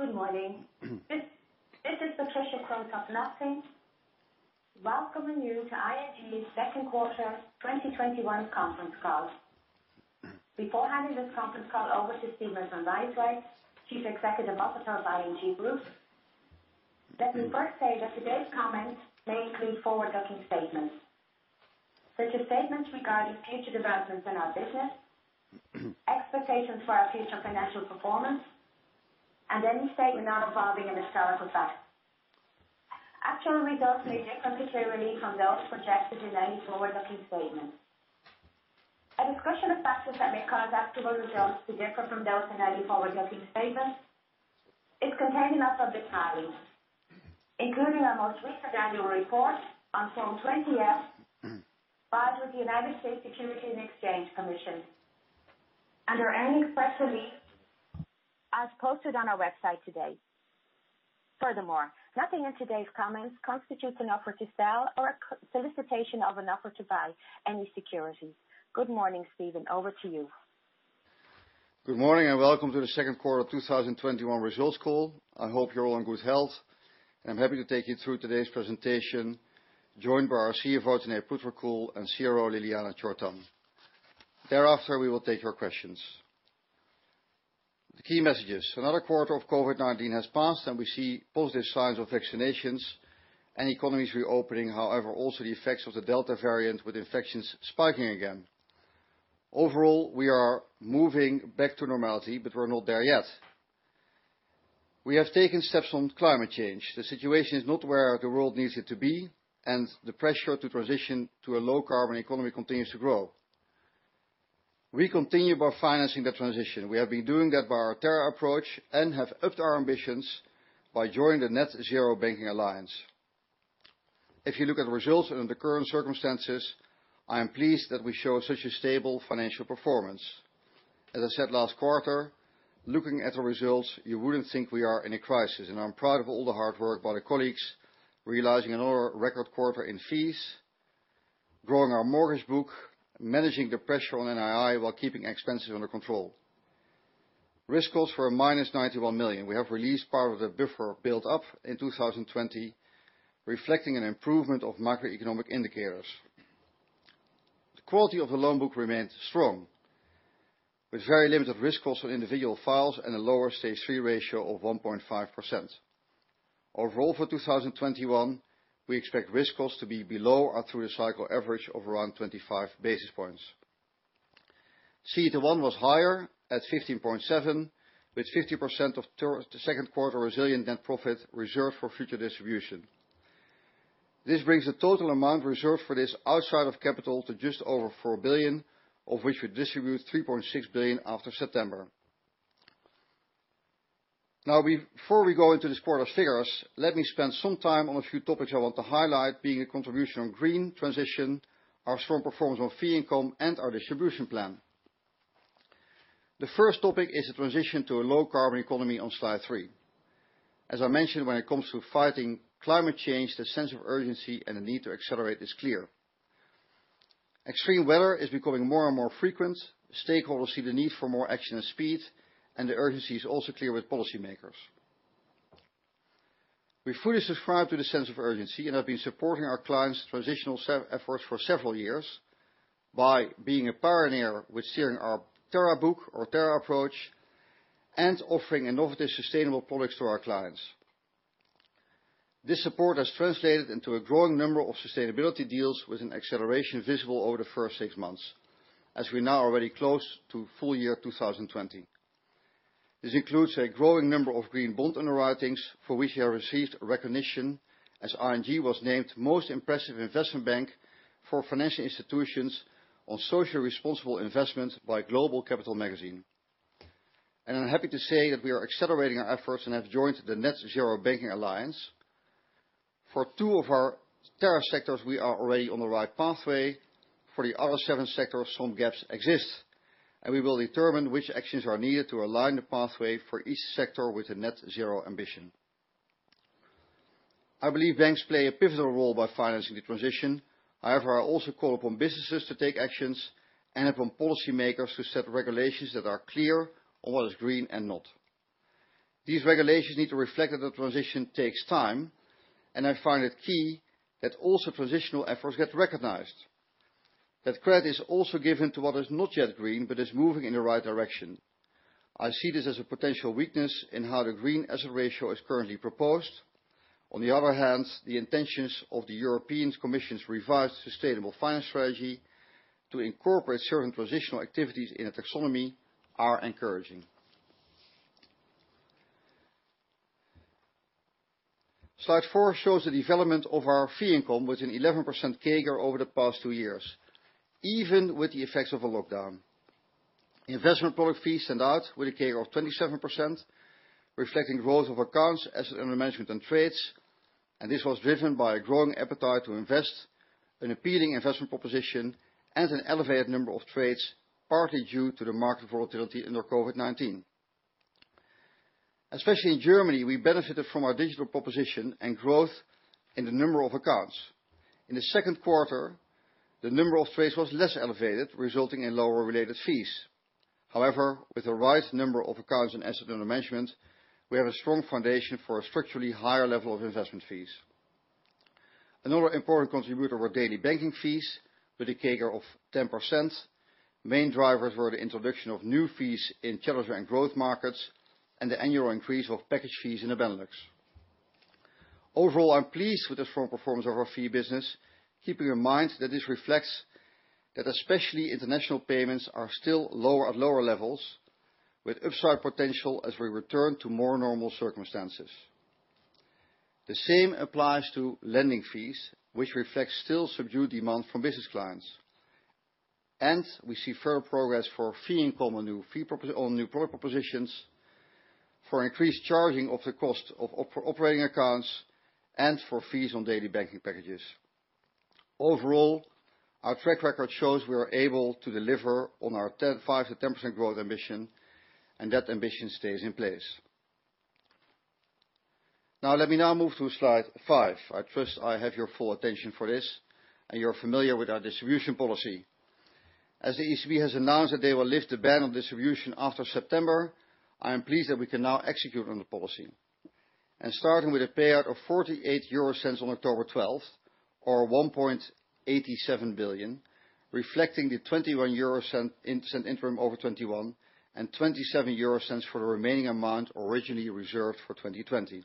Good morning. This is Patricia Krooshof-Naughten welcoming you to ING's second quarter 2021 conference call. Before handing this conference call over to Steven van Rijswijk, Chief Executive Officer of ING Groep, let me first say that today's comments may include forward-looking statements, such as statements regarding future developments in our business, expectations for our future financial performance, and any statement not involving an historical fact. Actual results may differ materially from those projected in any forward-looking statement. A discussion of factors that may cause actual results to differ from those in any forward-looking statement is contained in our public filings, including our most recent annual report on Form 20-F filed with the United States Securities and Exchange Commission under any press release as posted on our website today. Nothing in today's comments constitutes an offer to sell or a solicitation of an offer to buy any securities. Good morning, Steven. Over to you. Good morning, and welcome to the second quarter of 2021 results call. I hope you're all in good health. I'm happy to take you through today's presentation, joined by our CFO, Tanate Phutrakul, and CRO, Ljiljana Čortan. Thereafter, we will take your questions. The key message is another quarter of COVID-19 has passed, and we see positive signs of vaccinations and economies reopening, however, also the effects of the Delta variant, with infections spiking again. Overall, we are moving back to normality, but we're not there yet. We have taken steps on climate change. The situation is not where the world needs it to be, and the pressure to transition to a low-carbon economy continues to grow. We continue by financing the transition. We have been doing that by our Terra approach and have upped our ambitions by joining the Net-Zero Banking Alliance. If you look at the results under the current circumstances, I am pleased that we show such a stable financial performance. As I said last quarter, looking at the results, you wouldn't think we are in a crisis, and I'm proud of all the hard work by the colleagues realizing another record quarter in fees, growing our mortgage book, managing the pressure on NII while keeping expenses under control. Risk costs were a -91 million. We have released part of the buffer built up in 2020, reflecting an improvement of macroeconomic indicators. The quality of the loan book remains strong, with very limited risk costs on individual files and a lower Stage 3 ratio of 1.5%. Overall, for 2021, we expect risk costs to be below our through-the-cycle average of around 25 basis points. CET1 was higher at 15.7, with 50% of the second quarter resilient net profit reserved for future distribution. This brings the total amount reserved for this outside of capital to just over 4 billion, of which we distribute 3.6 billion after September. Before we go into this quarter's figures, let me spend some time on a few topics I want to highlight, being a contribution on green transition, our strong performance on fee income, and our distribution plan. The first topic is the transition to a low-carbon economy on slide three. As I mentioned, when it comes to fighting climate change, the sense of urgency and the need to accelerate is clear. Extreme weather is becoming more and more frequent. Stakeholders see the need for more action and speed, and the urgency is also clear with policymakers. We fully subscribe to the sense of urgency and have been supporting our client's transitional efforts for several years by being a pioneer with steering our Terra book or Terra approach and offering innovative, sustainable products to our clients. This support has translated into a growing number of sustainability deals with an acceleration visible over the first six months, as we're now already close to full year 2020. This includes a growing number of green bond underwritings, for which we have received recognition as ING was named Most Impressive Investment Bank for Financial Institutions on Socially Responsible Investments by GlobalCapital Magazine. I'm happy to say that we are accelerating our efforts and have joined the Net-Zero Banking Alliance. For two of our Terra sectors, we are already on the right pathway. For the other seven sectors, some gaps exist, and we will determine which actions are needed to align the pathway for each sector with a net-zero ambition. I believe banks play a pivotal role by financing the transition. However, I also call upon businesses to take actions and upon policymakers to set regulations that are clear on what is green and not. These regulations need to reflect that the transition takes time, and I find it key that also transitional efforts get recognized, that credit is also given to what is not yet green but is moving in the right direction. I see this as a potential weakness in how the Green Asset Ratio is currently proposed. On the other hand, the intentions of the European Commission's revised sustainable finance strategy to incorporate certain transitional activities in a taxonomy are encouraging. Slide four shows the development of our fee income with an 11% CAGR over the past two years, even with the effects of a lockdown. Investment product fees stand out with a CAGR of 27%, reflecting growth of accounts, assets under management, and trades. This was driven by a growing appetite to invest, an appealing investment proposition, and an elevated number of trades, partly due to the market volatility under COVID-19. Especially in Germany, we benefited from our digital proposition and growth in the number of accounts. In the second quarter, the number of trades was less elevated, resulting in lower related fees. However, with a rising number of accounts and assets under management, we have a strong foundation for a structurally higher level of investment fees. Another important contributor were daily banking fees with a CAGR of 10%. Main drivers were the introduction of new fees in Challengers & Growth Markets and the annual increase of package fees in the Benelux. Overall, I'm pleased with the strong performance of our fee business, keeping in mind that this reflects that especially international payments are still at lower levels with upside potential as we return to more normal circumstances. The same applies to lending fees, which reflects still subdued demand from business clients. We see further progress for fee income on new product propositions, for increased charging of the cost of operating accounts, and for fees on daily banking packages. Overall, our track record shows we are able to deliver on our 5%-10% growth ambition, and that ambition stays in place. Let me now move to slide five. I trust I have your full attention for this and you're familiar with our distribution policy. As the ECB has announced that they will lift the ban on distribution after September, I am pleased that we can now execute on the policy. Starting with a payout of 0.48 on October 12th, or 1.87 billion, reflecting the 0.21 interim over 2021, and 0.27 for the remaining amount originally reserved for 2020.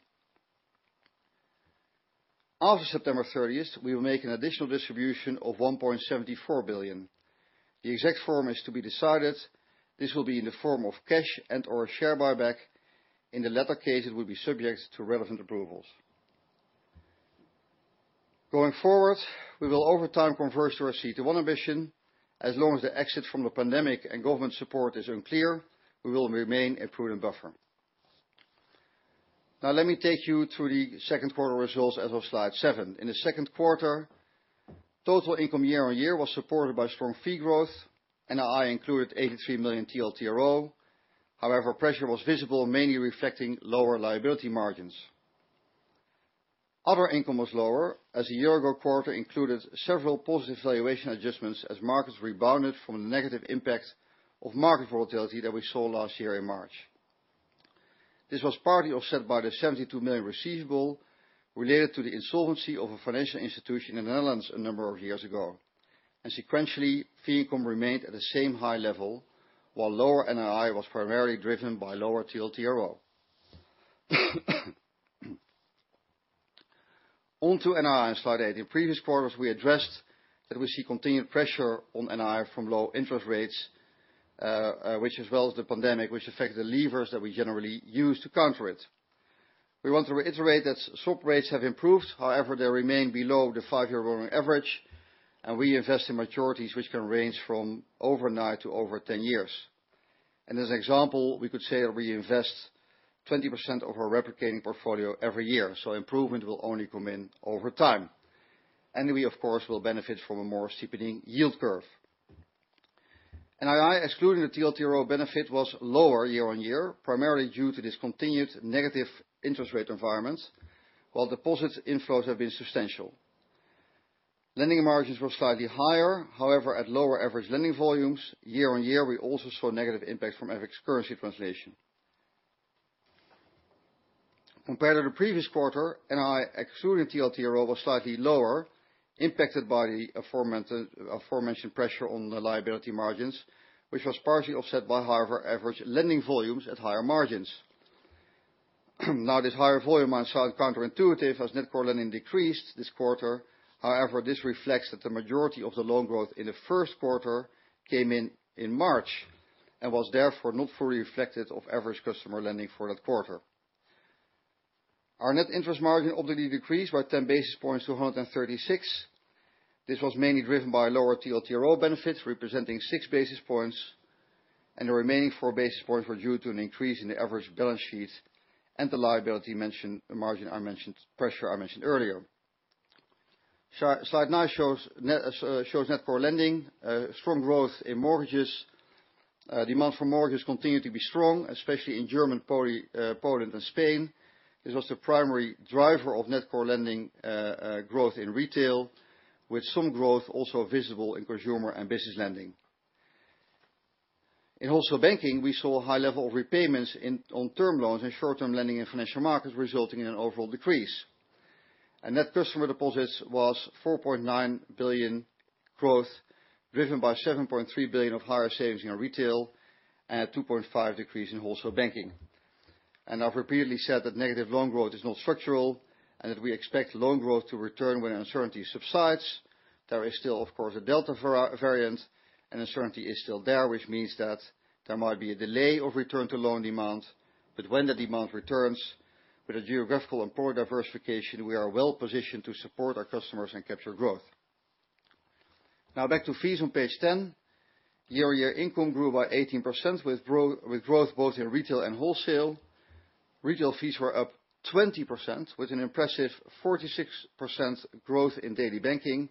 After September 30th, we will make an additional distribution of 1.74 billion. The exact form is to be decided. This will be in the form of cash and/or share buyback. In the latter case, it will be subject to relevant approvals. Going forward, we will over time convert to our CET1 ambition. As long as the exit from the pandemic and government support is unclear, we will remain a prudent buffer. Now, let me take you through the second quarter results as of slide seven. In the second quarter, total income year-over-year was supported by strong fee growth. NII included 83 million TLTRO. Pressure was visible, mainly reflecting lower liability margins. Other income was lower, as a year-ago quarter included several positive valuation adjustments as markets rebounded from the negative impact of market volatility that we saw last year in March. This was partly offset by the 72 million receivable related to the insolvency of a financial institution in the Netherlands a number of years ago. Sequentially, fee income remained at the same high level, while lower NII was primarily driven by lower TLTRO. On to NII on slide 8. In previous quarters, we addressed that we see continued pressure on NII from low interest rates, which as well as the pandemic, which affect the levers that we generally use to counter it. We want to reiterate that swap rates have improved. They remain below the five-year rolling average, we invest in maturities which can range from overnight to over 10 years. As an example, we could say we invest 20% of our replicating portfolio every year, improvement will only come in over time. We, of course, will benefit from a more steepening yield curve. NII, excluding the TLTRO benefit, was lower year-on-year, primarily due to this continued negative interest rate environment while deposits inflows have been substantial. Lending margins were slightly higher. At lower average lending volumes year-on-year, we also saw negative impact from FX currency translation. Compared to the previous quarter, NII, excluding TLTRO, was slightly lower, impacted by the aforementioned pressure on the liability margins, which was partially offset by higher average lending volumes at higher margins. This higher volume might sound counterintuitive as net core lending decreased this quarter. This reflects that the majority of the loan growth in the first quarter came in in March and was therefore not fully reflected of average customer lending for that quarter. Our net interest margin ultimately decreased by 10 basis points to 136. This was mainly driven by lower TLTRO benefits, representing 6 basis points, and the remaining 4 basis points were due to an increase in the average balance sheet and the liability margin pressure I mentioned earlier. Slide nine shows net core lending. Strong growth in mortgages. Demand for mortgages continued to be strong, especially in Germany, Poland, and Spain. This was the primary driver of net core lending growth in retail, with some growth also visible in consumer and business lending. In Wholesale Banking, we saw a high level of repayments on term loans and short-term lending in financial markets, resulting in an overall decrease. Net customer deposits was 4.9 billion growth, driven by 7.3 billion of higher savings in our Retail and a 2.5 billion decrease in Wholesale Banking. I've repeatedly said that negative loan growth is not structural and that we expect loan growth to return when uncertainty subsides. There is still, of course, a Delta variant, and uncertainty is still there, which means that there might be a delay of return to loan demand. When the demand returns, with a geographical and product diversification, we are well-positioned to support our customers and capture growth. Back to fees on page 10. Year-over-year income grew by 18%, with growth both in Retail and Wholesale. Retail fees were up 20%, with an impressive 46% growth in daily banking.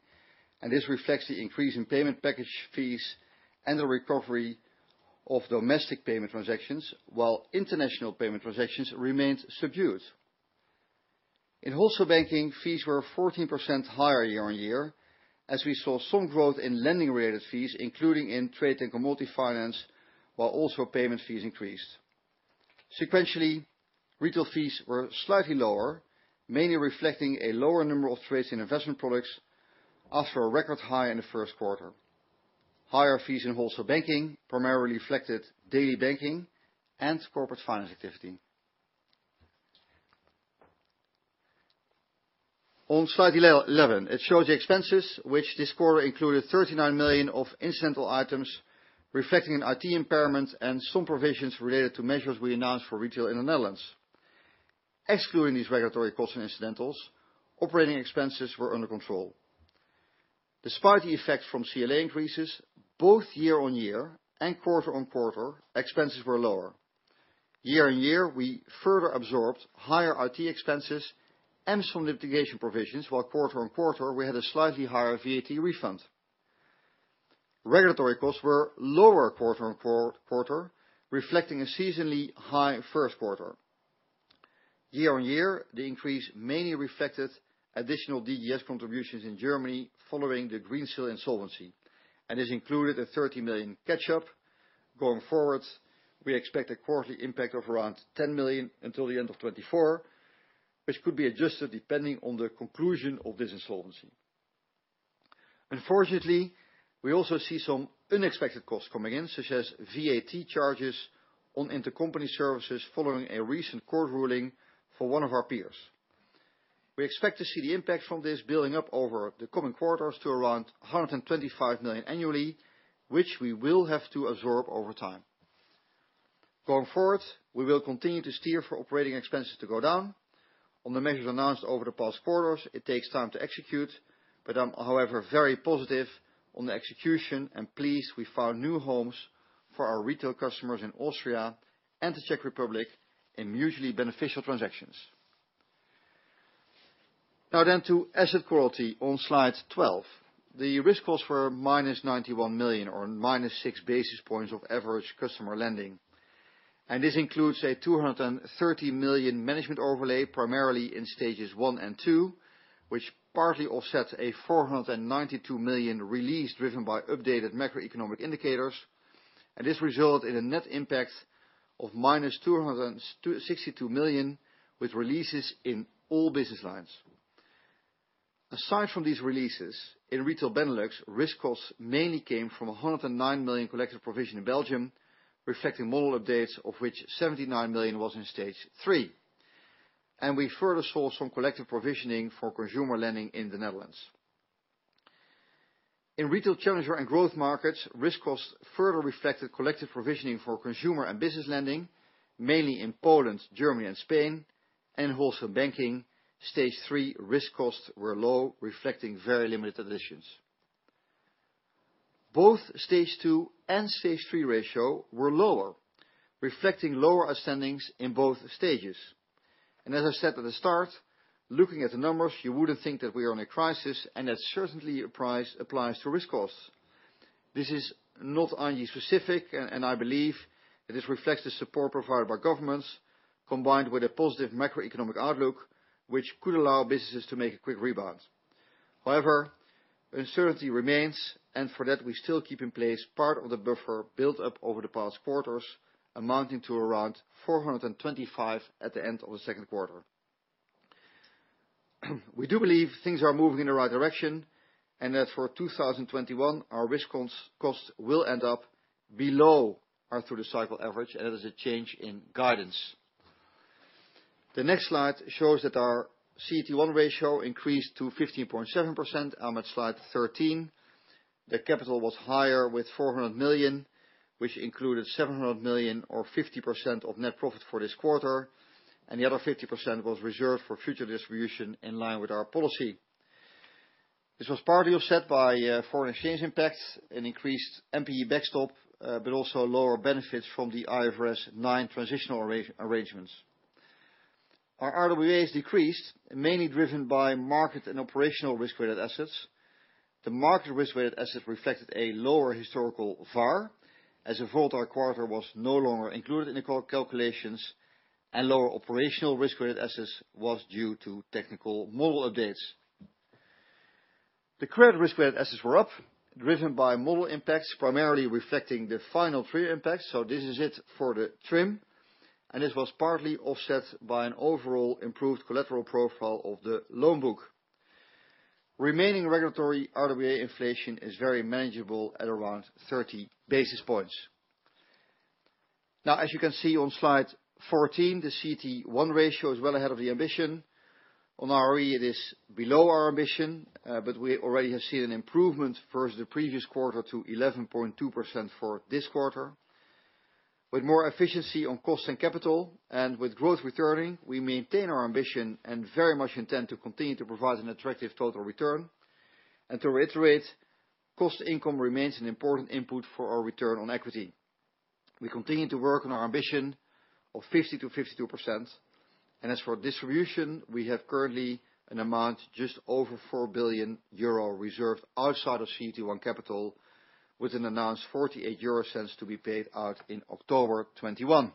This reflects the increase in payment package fees and the recovery of domestic payment transactions, while international payment transactions remained subdued. In Wholesale Banking, fees were 14% higher year-on-year as we saw some growth in lending-related fees, including in trade and commodity finance, while also payment fees increased. Sequentially, retail fees were slightly lower, mainly reflecting a lower number of trades in investment products after a record high in the first quarter. Higher fees in Wholesale Banking primarily reflected daily banking and corporate finance activity. On slide 11, it shows the expenses which this quarter included 39 million of incidental items, reflecting an IT impairment and some provisions related to measures we announced for retail in the Netherlands. Excluding these regulatory costs and incidentals, operating expenses were under control. Despite the effect from CLA increases, both year-on-year and quarter-on-quarter, expenses were lower. Year-on-year, we further absorbed higher IT expenses and some litigation provisions, while quarter-on-quarter, we had a slightly higher VAT refund. Regulatory costs were lower quarter-on-quarter, reflecting a seasonally high first quarter. Year-on-year, the increase mainly reflected additional DGS contributions in Germany following the Greensill insolvency and this included a 30 million catch-up. Going forward, we expect a quarterly impact of around 10 million until the end of 2024, which could be adjusted depending on the conclusion of this insolvency. Unfortunately, we also see some unexpected costs coming in, such as VAT charges on intercompany services following a recent court ruling for one of our peers. We expect to see the impact from this building up over the coming quarters to around 125 million annually, which we will have to absorb over time. Going forward, we will continue to steer for operating expenses to go down. On the measures announced over the past quarters, it takes time to execute, but I'm, however, very positive on the execution and pleased we found new homes for our retail customers in Austria and the Czech Republic in mutually beneficial transactions. To asset quality on slide 12. The risk costs were -91 million, or -6 basis points of average customer lending. This includes a 230 million management overlay, primarily in Stages 1 and 2, which partly offsets a 492 million release driven by updated macroeconomic indicators. This result in a net impact of -262 million with releases in all business lines. Aside from these releases, in Retail Benelux, risk costs mainly came from 109 million collective provision in Belgium, reflecting model updates, of which 79 million was in Stage 3. We further saw some collective provisioning for consumer lending in the Netherlands. In Retail Challengers & Growth Markets, risk costs further reflected collective provisioning for consumer and business lending, mainly in Poland, Germany and Spain, and Wholesale Banking. Stage 3 risk costs were low, reflecting very limited additions. Both Stage 2 and Stage 3 ratio were lower, reflecting lower outstandings in both stages. As I said at the start, looking at the numbers, you wouldn't think that we are in a crisis, and that certainly applies to risk costs. This is not ING-specific, and I believe it reflects the support provided by governments, combined with a positive macroeconomic outlook, which could allow businesses to make a quick rebound. However, uncertainty remains, and for that, we still keep in place part of the buffer built up over the past quarters, amounting to around 425 [million] at the end of the second quarter. We do believe things are moving in the right direction, and that for 2021, our risk costs will end up below our through-the-cycle average, and that is a change in guidance. The next slide shows that our CET1 ratio increased to 15.7%, and on slide 13, the capital was higher with 400 million, which included 700 million, or 50% of net profit for this quarter, and the other 50% was reserved for future distribution in line with our policy. This was partly offset by foreign exchange impacts and increased NPE backstop, but also lower benefits from the IFRS 9 transitional arrangements. Our RWAs decreased, mainly driven by market and operational risk-weighted assets. The market risk-weighted assets reflected a lower historical VaR, as a volatile quarter was no longer included in the calculations, and lower operational risk-weighted assets was due to technical model updates. The credit risk-weighted assets were up, driven by model impacts, primarily reflecting the final TRIM impacts. This is it for the TRIM, and this was partly offset by an overall improved collateral profile of the loan book. Remaining regulatory RWA inflation is very manageable at around 30 basis points. As you can see on slide 14, the CET1 ratio is well ahead of the ambition. On ROE, it is below our ambition, but we already have seen an improvement versus the previous quarter to 11.2% for this quarter. With more efficiency on cost and capital, and with growth returning, we maintain our ambition and very much intend to continue to provide an attractive total return. To reiterate, cost income remains an important input for our return on equity. We continue to work on our ambition of 50%-52%, and as for distribution, we have currently an amount just over 4 billion euro reserved outside of CET1 capital with an announced 0.48 to be paid out in October 2021.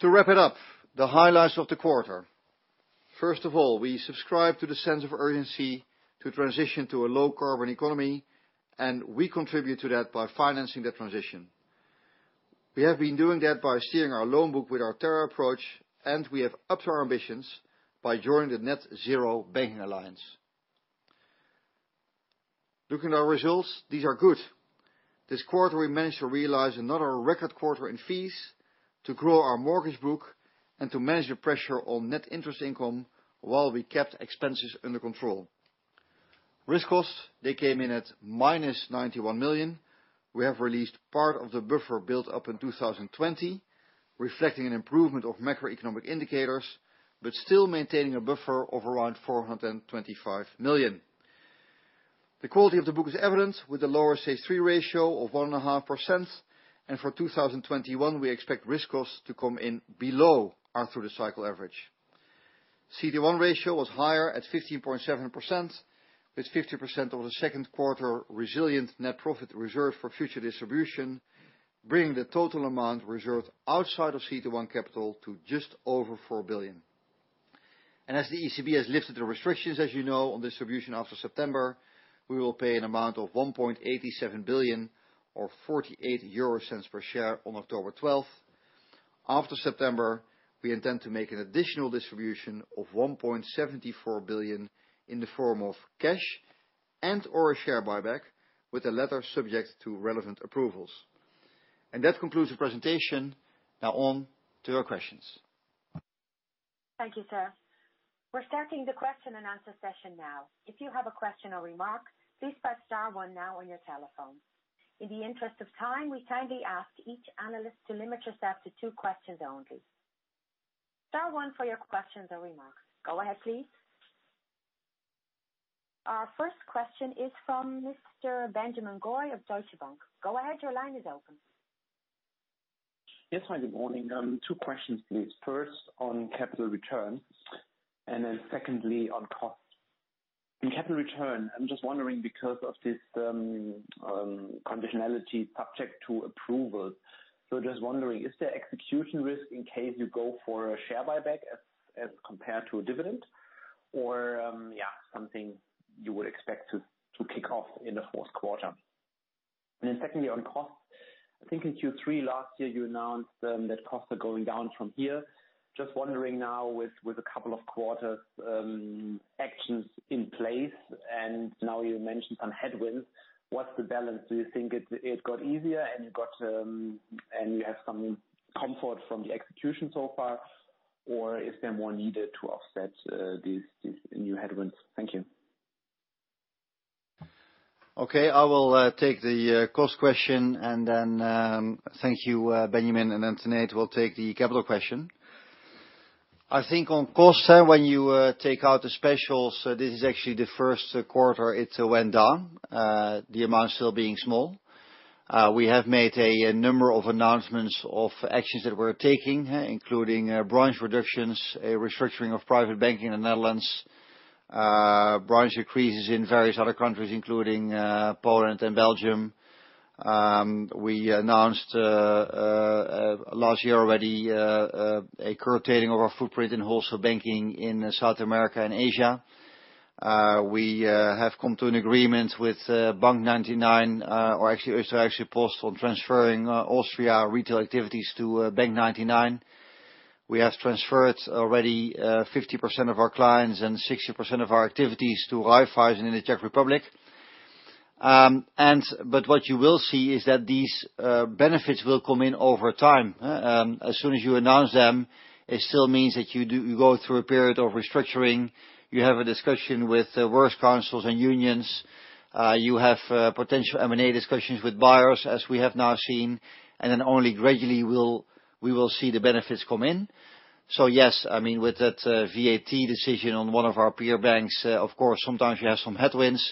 To wrap it up, the highlights of the quarter. First of all, we subscribe to the sense of urgency to transition to a low carbon economy, and we contribute to that by financing the transition. We have been doing that by steering our loan book with our Terra approach, and we have upped our ambitions by joining the Net-Zero Banking Alliance. Looking at our results, these are good. This quarter, we managed to realize another record quarter in fees to grow our mortgage book and to manage the pressure on net interest income while we kept expenses under control. Risk costs, they came in at minus 91 million. We have released part of the buffer built up in 2020, reflecting an improvement of macroeconomic indicators, but still maintaining a buffer of around 425 million. The quality of the book is evident with the lower Stage 3 ratio of 1.5%, and for 2021, we expect risk costs to come in below our through-the-cycle average. CET1 ratio was higher at 15.7%, with 50% of the second quarter resilient net profit reserved for future distribution, bringing the total amount reserved outside of CET1 capital to just over 4 billion. As the ECB has lifted the restrictions, as you know, on distribution after September, we will pay an amount of 1.87 billion or 0.48 per share on October 12th. After September, we intend to make an additional distribution of 1.74 billion in the form of cash and/or a share buyback, with the latter subject to relevant approvals. That concludes the presentation. Now on to your questions. Thank you, sir. We're starting the question and answer session now. If you have a question or remark, please press star one now on your telephone. In the interest of time, we kindly ask each analyst to limit yourself to two questions only. Star one for your questions or remarks. Go ahead, please. Our first question is from Mr. Benjamin Goy of Deutsche Bank. Go ahead, your line is open. Yes. Hi, good morning. Two questions, please. First, on capital return, and then secondly, on cost. In capital return, I'm just wondering because of this conditionality subject to approval. Just wondering, is there execution risk in case you go for a share buyback as compared to a dividend or something you would expect to kick off in the fourth quarter? Secondly, on cost. I think in Q3 last year you announced that costs are going down from here. Just wondering now with a couple of quarter's actions in place, and now you mentioned some headwinds. What's the balance? Do you think it got easier and you have some comfort from the execution so far? Is there more needed to offset these new headwinds? Thank you. I will take the cost question and then thank you, Benjamin. Then Tanate will take the capital question. I think on cost, when you take out the specials, this is actually the first quarter it went down, the amount still being small. We have made a number of announcements of actions that we're taking, including branch reductions, a restructuring of private banking in the Netherlands, branch decreases in various other countries, including Poland and Belgium. We announced last year already a curtailing of our footprint in Wholesale Banking in South America and Asia. We have come to an agreement with bank99 or actually Österreichische Post on transferring Austria retail activities to bank99. We have transferred already 50% of our clients and 60% of our activities to Raiffeisen in the Czech Republic. What you will see is that these benefits will come in over time. As soon as you announce them, it still means that you go through a period of restructuring. You have a discussion with works councils and unions. You have potential M&A discussions with buyers, as we have now seen, and then only gradually we will see the benefits come in. Yes, with that VAT decision on one of our peer banks, of course, sometimes you have some headwinds.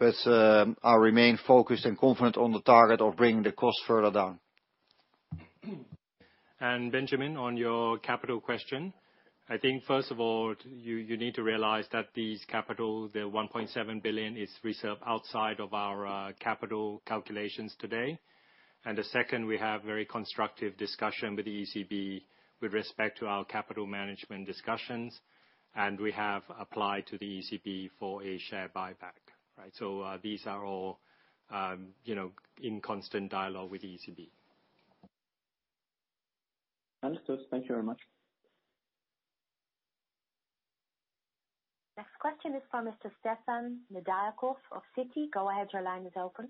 I remain focused and confident on the target of bringing the cost further down. Benjamin, on your capital question, I think first of all, you need to realize that these capital, the 1.7 billion, is reserved outside of our capital calculations today. The second, we have very constructive discussion with the ECB with respect to our capital management discussions, and we have applied to the ECB for a share buyback. These are all in constant dialogue with the ECB. Understood. Thank you very much. Next question is from Mr. Stefan Nedialkov of Citi. Go ahead, your line is open.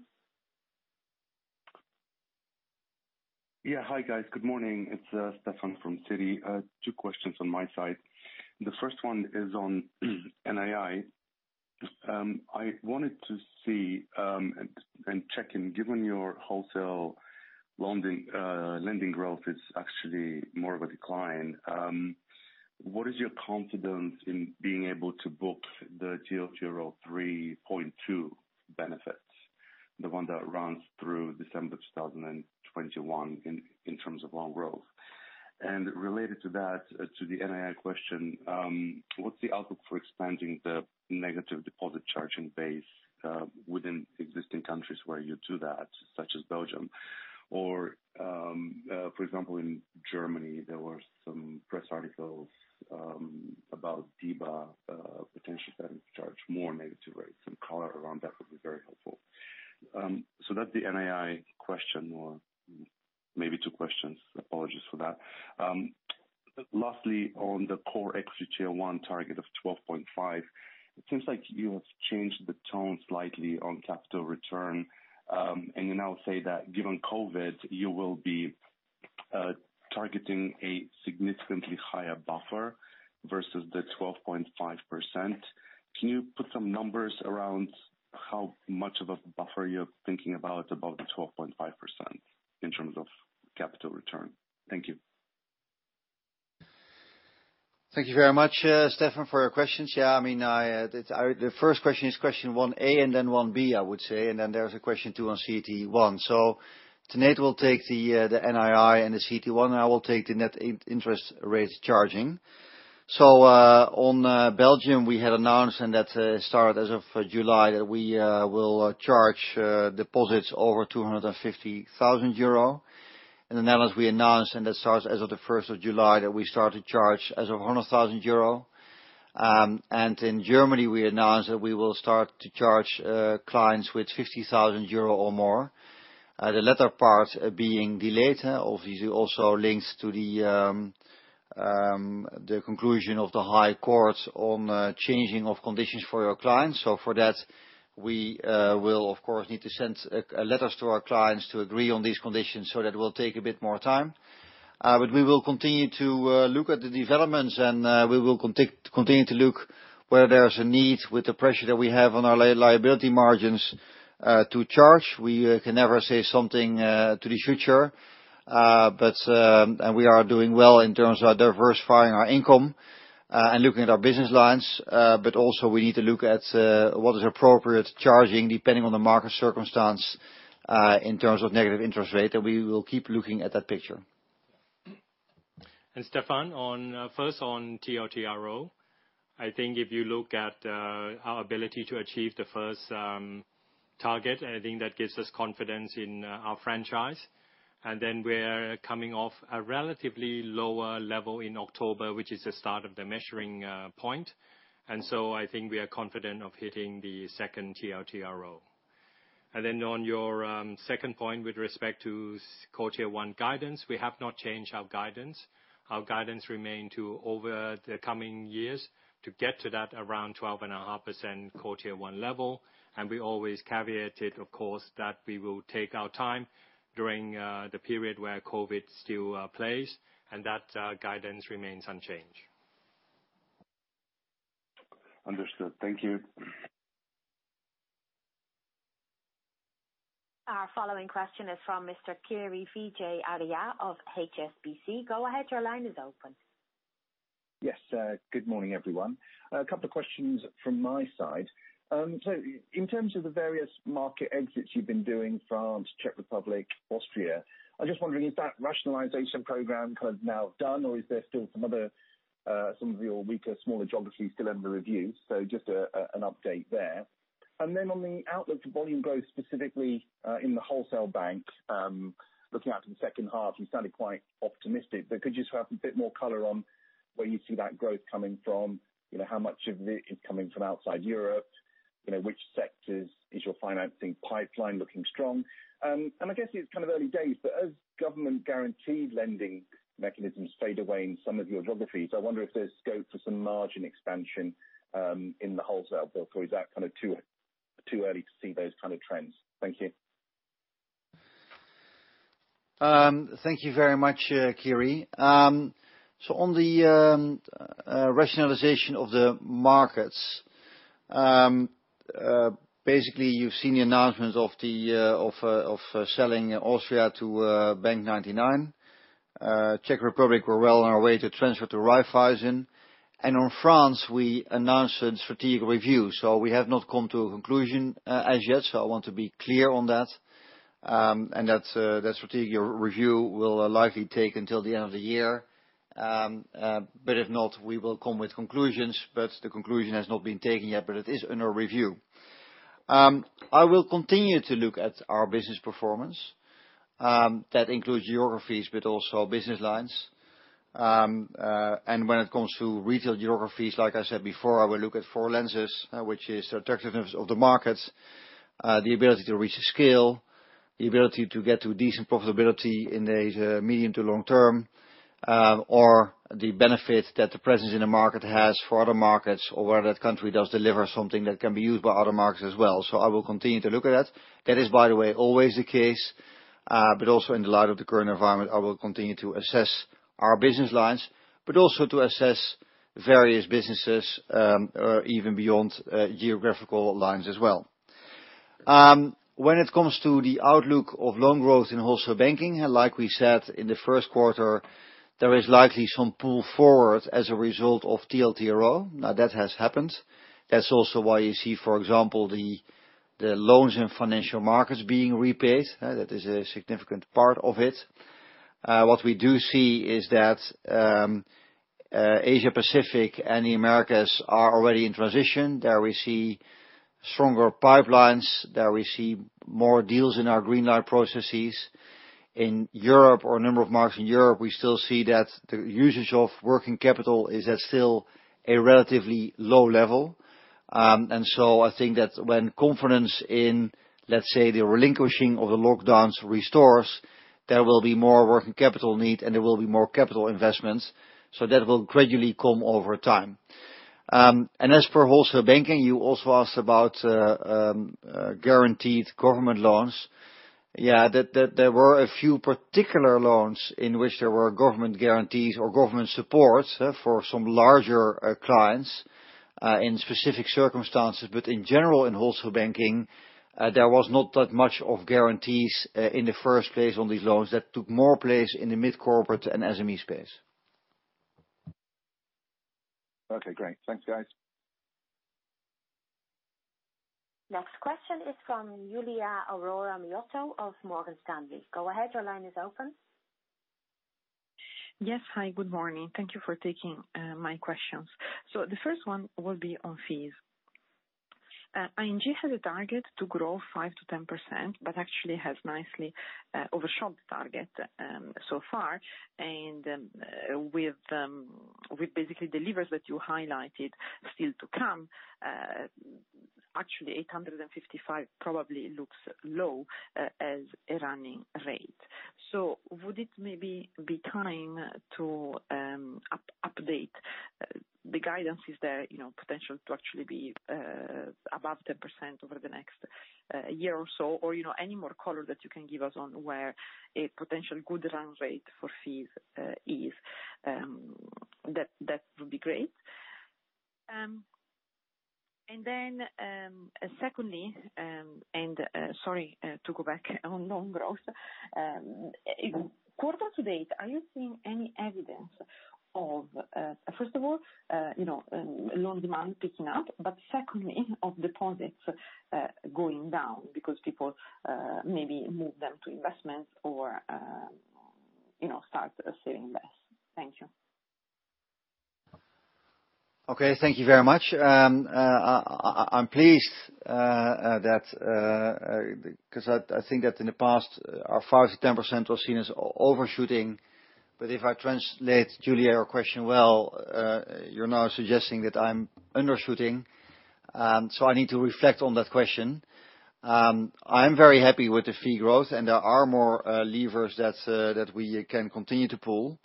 Hi, guys. Good morning. It's Stefan from Citi. Two questions on my side. The first one is on NII. I wanted to see and check in, given your wholesale lending growth is actually more of a decline, what is your confidence in being able to book the TLTRO 3.2 benefits? The one that runs through December 2021 in terms of loan growth. Related to that, to the NII question, what's the outlook for expanding the negative deposit charging base within existing countries where you do that, such as Belgium? For example, in Germany, there were some press articles about DiBa potentially having to charge more negative rates. Some color around that would be very helpful. That's the NII question or maybe Two questions. Apologies for that. Lastly, on the CET1 target of 12.5%, it seems like you have changed the tone slightly on capital return. You now say that given COVID, you will be targeting a significantly higher buffer versus the 12.5%. Can you put some numbers around how much of a buffer you're thinking about above the 12.5% in terms of capital return? Thank you. Thank you very much, Stefan, for your questions. The first question is question 1A and then 1B, I would say, and then there's a question two on CET1. Today we will take the NII and the CET1, and I will take the net interest rates charging. On Belgium, we had announced, and that start as of July, that we will charge deposits over 250,000 euro. In the Netherlands, we announced, and that starts as of the 1st of July, that we start to charge as of 100,000 euro. In Germany, we announced that we will start to charge clients with 50,000 euro or more. The latter part being delayed. Obviously, also links to the conclusion of the High Court on changing of conditions for your clients. For that, we will, of course, need to send letters to our clients to agree on these conditions. That will take a bit more time. We will continue to look at the developments, and we will continue to look where there's a need with the pressure that we have on our liability margins to charge. We can never say something to the future. We are doing well in terms of diversifying our income, and looking at our business lines. Also we need to look at what is appropriate charging, depending on the market circumstance, in terms of negative interest rate. We will keep looking at that picture. Stefan, first on TLTRO. I think if you look at our ability to achieve the first target, I think that gives us confidence in our franchise. We're coming off a relatively lower level in October, which is the start of the measuring point. I think we are confident of hitting the second TLTRO. On your second point with respect to CET1 guidance, we have not changed our guidance. Our guidance remain to over the coming years to get to that around 12.5% CET1 level. We always caveated, of course, that we will take our time during the period where COVID still plays, and that guidance remains unchanged. Understood. Thank you. Our following question is from Mr. Kiri Vijayarajah of HSBC. Go ahead, your line is open. Yes. Good morning, everyone. A couple of questions from my side. In terms of the various market exits you've been doing, France, Czech Republic, Austria, I'm just wondering, is that rationalization program now done, or is there still some of your weaker, smaller geographies still under review? Just an update there. On the outlook to volume growth, specifically in the Wholesale Banking, looking out to the second half, you sounded quite optimistic, but could you just have a bit more color on where you see that growth coming from? How much of it is coming from outside Europe? Which sectors is your financing pipeline looking strong? I guess it's early days, but as government-guaranteed lending mechanisms fade away in some of your geographies, I wonder if there's scope for some margin expansion, in the Wholesale [portal], or is that too early to see those kind of trends? Thank you. Thank you very much, Kiri. On the rationalization of the markets, basically you've seen the announcement of selling Austria to bank99. Czech Republic, we're well on our way to transfer to Raiffeisen. On France, we announced a strategic review. We have not come to a conclusion as yet, so I want to be clear on that. That strategic review will likely take until the end of the year. If not, we will come with conclusions, but the conclusion has not been taken yet, but it is under review. I will continue to look at our business performance. That includes geographies, but also business lines. When it comes to retail geographies, like I said before, I will look at four lenses, which is attractiveness of the markets, the ability to reach scale, the ability to get to decent profitability in the medium to long term, or the benefit that the presence in the market has for other markets or whether that country does deliver something that can be used by other markets as well. I will continue to look at that. That is, by the way, always the case. Also in the light of the current environment, I will continue to assess our business lines, but also to assess various businesses, or even beyond geographical lines as well. When it comes to the outlook of loan growth in Wholesale Banking, like we said in the first quarter, there is likely some pull forward as a result of TLTRO. That has happened. That's also why you see, for example, the loans in financial markets being repaid. That is a significant part of it. What we do see is that Asia Pacific and the Americas are already in transition. There we see stronger pipelines, there we see more deals in our green light processes. In Europe, or a number of markets in Europe, we still see that the usage of working capital is at still a relatively low level. I think that when confidence in, let's say, the relinquishing of the lockdowns restores, there will be more working capital need and there will be more capital investments. That will gradually come over time. As for Wholesale Banking, you also asked about guaranteed government loans. Yeah. There were a few particular loans in which there were government guarantees or government supports for some larger clients in specific circumstances. In general, in Wholesale Banking, there was not that much of guarantees in the first place on these loans. That took more place in the mid-corporate and SME space. Okay, great. Thanks, guys. Next question is from Giulia Aurora Miotto of Morgan Stanley. Go ahead, your line is open. Yes. Hi, good morning. Thank you for taking my questions. The first one will be on fees. ING has a target to grow 5%-10%, but actually has nicely overshot the target so far. With basically the levers that you highlighted still to come, actually 855 [million] probably looks low as a running rate. Would it maybe be time to update the guidance? Is there potential to actually be above 10% over the next year or so? Any more color that you can give us on where a potential good run rate for fees is, that would be great. Secondly, sorry to go back on loan growth. Quarter to date, are you seeing any evidence of, first of all loan demand picking up, but secondly, of deposits going down because people maybe move them to investments or start saving less? Thank you. Okay, thank you very much. I'm pleased that, because I think that in the past our 5%-10% was seen as overshooting. If I translate, Giulia, your question well, you're now suggesting that I'm undershooting. So I need to reflect on that question. I'm very happy with the fee growth, and there are more levers that we can continue to pull.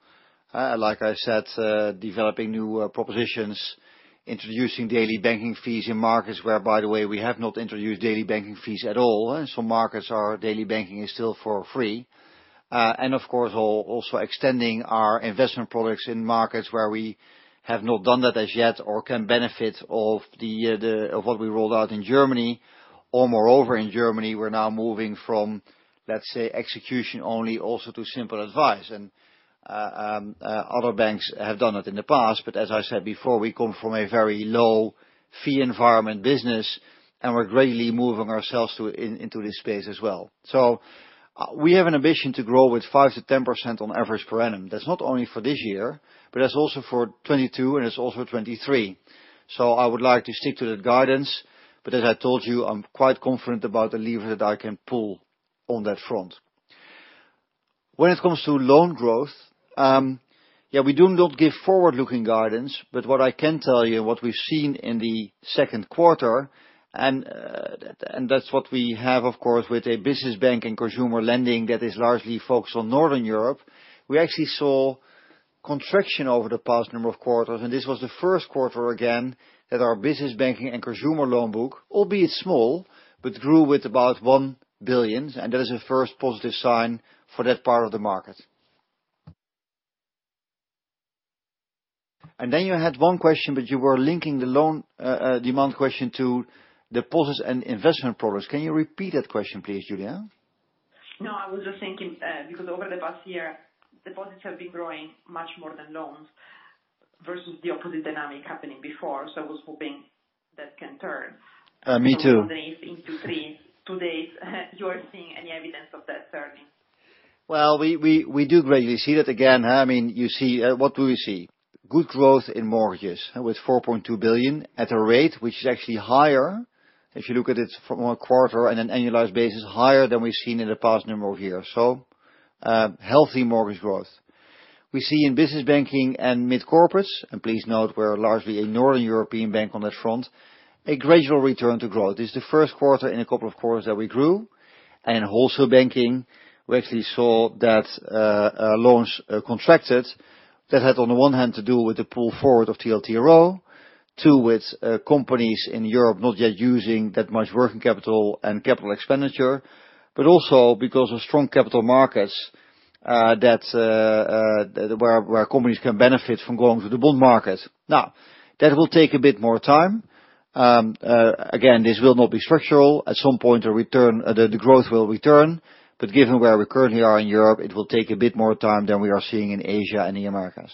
Like I said, developing new propositions, introducing daily banking fees in markets where, by the way, we have not introduced daily banking fees at all. In some markets our daily banking is still for free. Of course, also extending our investment products in markets where we have not done that as yet or can benefit of what we rolled out in Germany. Moreover, in Germany, we're now moving from, let's say, execution only, also to simple advice. Other banks have done it in the past. As I said before, we come from a very low fee environment business, and we're gradually moving ourselves into this space as well. We have an ambition to grow with 5%-10% on average per annum. That's not only for this year, but that's also for 2022, and it's also 2023. I would like to stick to that guidance, but as I told you, I'm quite confident about the lever that I can pull on that front. When it comes to loan growth, yeah, we do not give forward-looking guidance. What I can tell you, and what we've seen in the second quarter, and that's what we have, of course, with a business bank and consumer lending that is largely focused on Northern Europe. We actually saw contraction over the past number of quarters. This was the first quarter, again, that our business banking and consumer loan book, albeit small, but grew with about 1 billion, and that is a first positive sign for that part of the market. Then you had one question, but you were linking the loan demand question to deposits and investment products. Can you repeat that question, please, Giulia? I was just thinking, because over the past year, deposits have been growing much more than loans versus the opposite dynamic happening before. I was hoping that can turn- Me too. From underneath into three, two days. You're seeing any evidence of that turning? Well, we do gradually see that again. What do we see? Good growth in mortgages with 4.2 billion at a rate which is actually higher if you look at it from a quarter and an annualized basis, higher than we've seen in the past number of years. Healthy mortgage growth. We see in business banking and mid-corporates, and please note we're largely a Northern European bank on that front, a gradual return to growth. This is the first quarter in a couple of quarters that we grew. In Wholesale Banking, we actually saw that loans contracted. That had on the one hand, to do with the pull forward of TLTRO. 2, with companies in Europe not yet using that much working capital and capital expenditure, but also because of strong capital markets where companies can benefit from going to the bond market. Now, that will take a bit more time. Again, this will not be structural. At some point, the growth will return, but given where we currently are in Europe, it will take a bit more time than we are seeing in Asia and the Americas.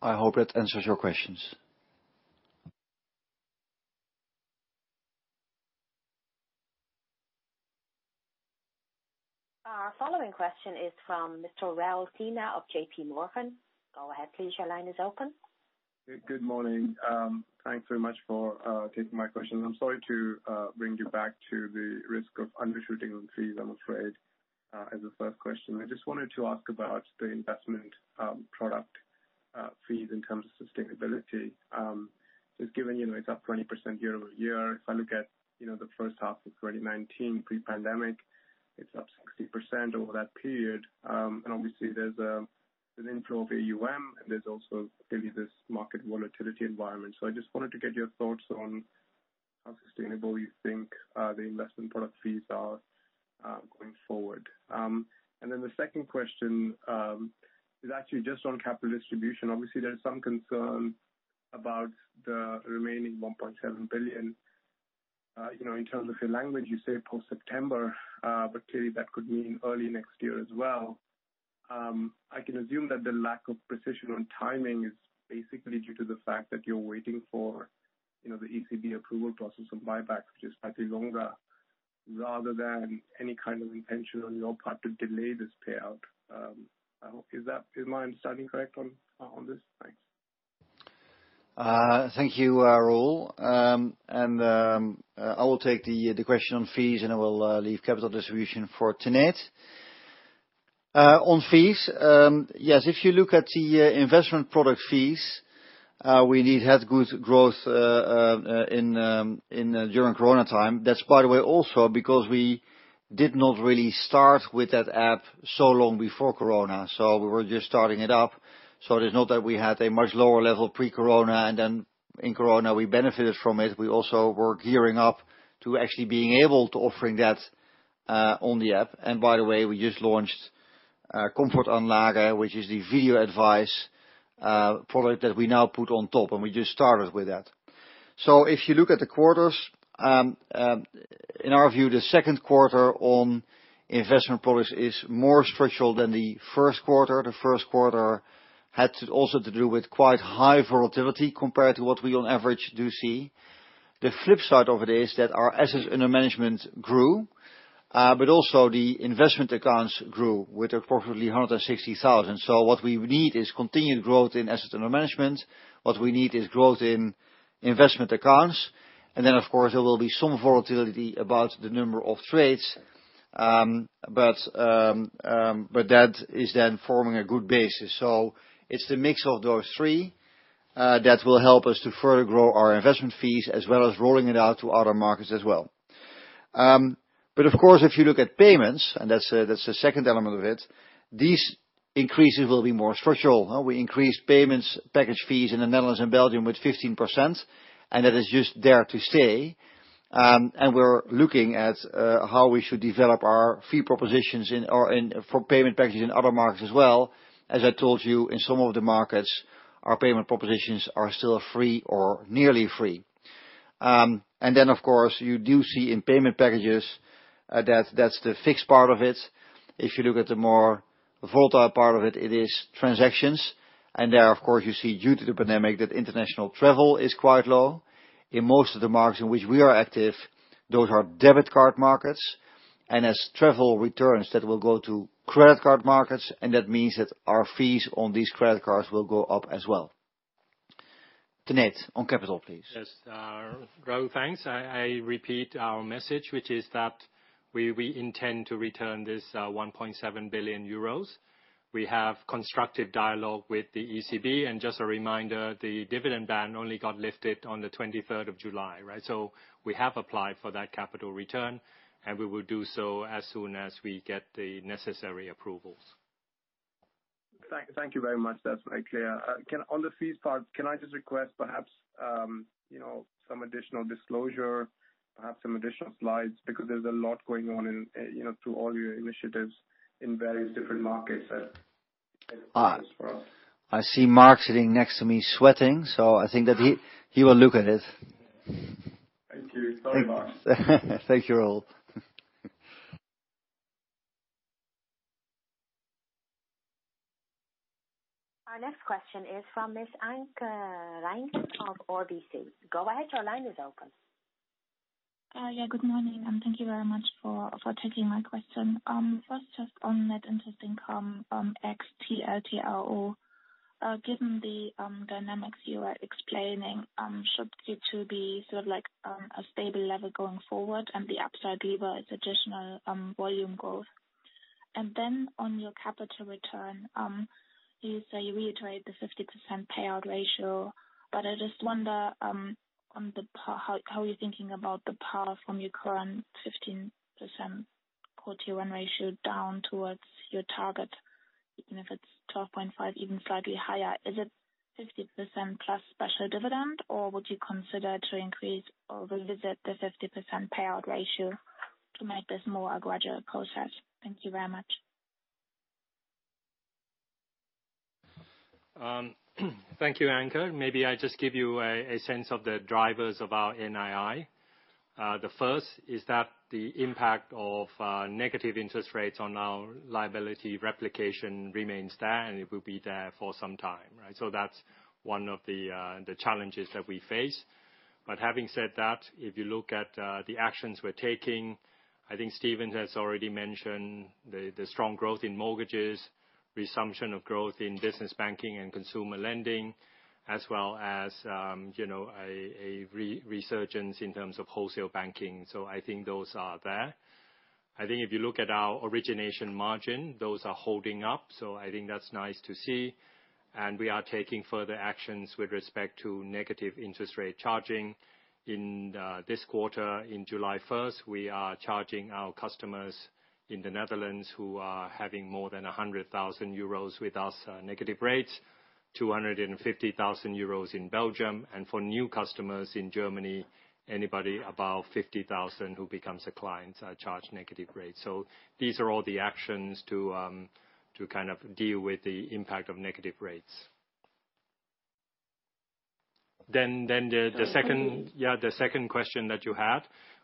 I hope that answers your questions. Our following question is from Mr. Raul Sinha of JPMorgan. Go ahead, please. Your line is open. Good morning. Thanks very much for taking my questions. I'm sorry to bring you back to the risk of undershooting on fees, I'm afraid, as a first question. I just wanted to ask about the investment product fees in terms of sustainability. Given it's up 20% year-over-year. If I look at the first half of 2019 pre-pandemic, it's up 60% over that period. Obviously there's an inflow of AUM and there's also clearly this market volatility environment. I just wanted to get your thoughts on how sustainable you think the investment product fees are going forward. The second question is actually just on capital distribution. Obviously, there is some concern about the remaining 1.7 billion. In terms of your language, you say post-September, but clearly that could mean early next year as well. I can assume that the lack of precision on timing is basically due to the fact that you're waiting for the ECB approval process of buybacks, which is slightly longer, rather than any kind of intention on your part to delay this payout. Is my understanding correct on this? Thanks. Thank you, Raul. I will take the question on fees, and I will leave capital distribution for Tanate. On fees, yes, if you look at the investment product fees, we did have good growth during Corona time. That's by the way, also because we did not really start with that app so long before Corona, so we were just starting it up. It is not that we had a much lower level pre-Corona, and then in Corona, we benefited from it. We also were gearing up to actually being able to offering that on the app. By the way, we just launched Komfort-Anlage, which is the video advice product that we now put on top, and we just started with that. If you look at the quarters, in our view, the second quarter on investment products is more structural than the first quarter. The first quarter had also to do with quite high volatility compared to what we on average do see. The flip side of it is that our assets under management grew, but also the investment accounts grew with approximately 160,000. What we need is continued growth in assets under management. What we need is growth in investment accounts. Then, of course, there will be some volatility about the number of trades, but that is then forming a good basis. It's the mix of those three that will help us to further grow our investment fees as well as rolling it out to other markets as well. Of course, if you look at payments, and that's the second element of it, these increases will be more structural. We increased payments package fees in the Netherlands and Belgium with 15%, and that is just there to stay. We're looking at how we should develop our fee propositions for payment packages in other markets as well. As I told you, in some of the markets, our payment propositions are still free or nearly free. Of course, you do see in payment packages, that's the fixed part of it. If you look at the more volatile part of it is transactions. There, of course, you see due to the pandemic, that international travel is quite low. In most of the markets in which we are active, those are debit card markets. As travel returns, that will go to credit card markets, and that means that our fees on these credit cards will go up as well. Tanate, on capital, please. Yes. Raul, thanks. I repeat our message, which is that we intend to return this 1.7 billion euros. We have constructive dialogue with the ECB. Just a reminder, the dividend ban only got lifted on the 23rd of July, right? We have applied for that capital return, and we will do so as soon as we get the necessary approvals. Thank you very much. That's very clear. On the fees part, can I just request perhaps, some additional disclosure, perhaps some additional slides, because there's a lot going on through all your initiatives in various different markets. I see Mark sitting next to me sweating, so I think that he will look at it. Thank you, Raul. Our next question is from Miss Anke Reingen of RBC. Go ahead, your line is open. Good morning, thank you very much for taking my question. First, just on net interest income, ex TLTRO. Given the dynamics you are explaining, should Q2 be sort of like a stable level going forward and the upside lever is additional volume growth? Then on your capital return, you say you reiterate the 50% payout ratio, but I just wonder, how are you thinking about the path from your current 15% quarter run ratio down towards your target, even if it's 12.5%, even slightly higher? Is it 50% plus special dividend, or would you consider to increase or revisit the 50% payout ratio to make this more a gradual process? Thank you very much. Thank you, Anke. Maybe I just give you a sense of the drivers of our NII. The first is that the impact of negative interest rates on our liability replication remains there, and it will be there for some time. That's one of the challenges that we face. Having said that, if you look at the actions we're taking, I think Steven has already mentioned the strong growth in mortgages, resumption of growth in business banking and consumer lending, as well as a resurgence in terms of Wholesale Banking. I think those are there. I think if you look at our origination margin, those are holding up. I think that's nice to see. We are taking further actions with respect to negative interest rate charging in this quarter. On July 1st, we are charging our customers in the Netherlands who are having more than 100,000 euros with us negative rates, 250,000 euros in Belgium, and for new customers in Germany, anybody above 50,000 who becomes a client are charged negative rates. These are all the actions to deal with the impact of negative rates. The second question that you had,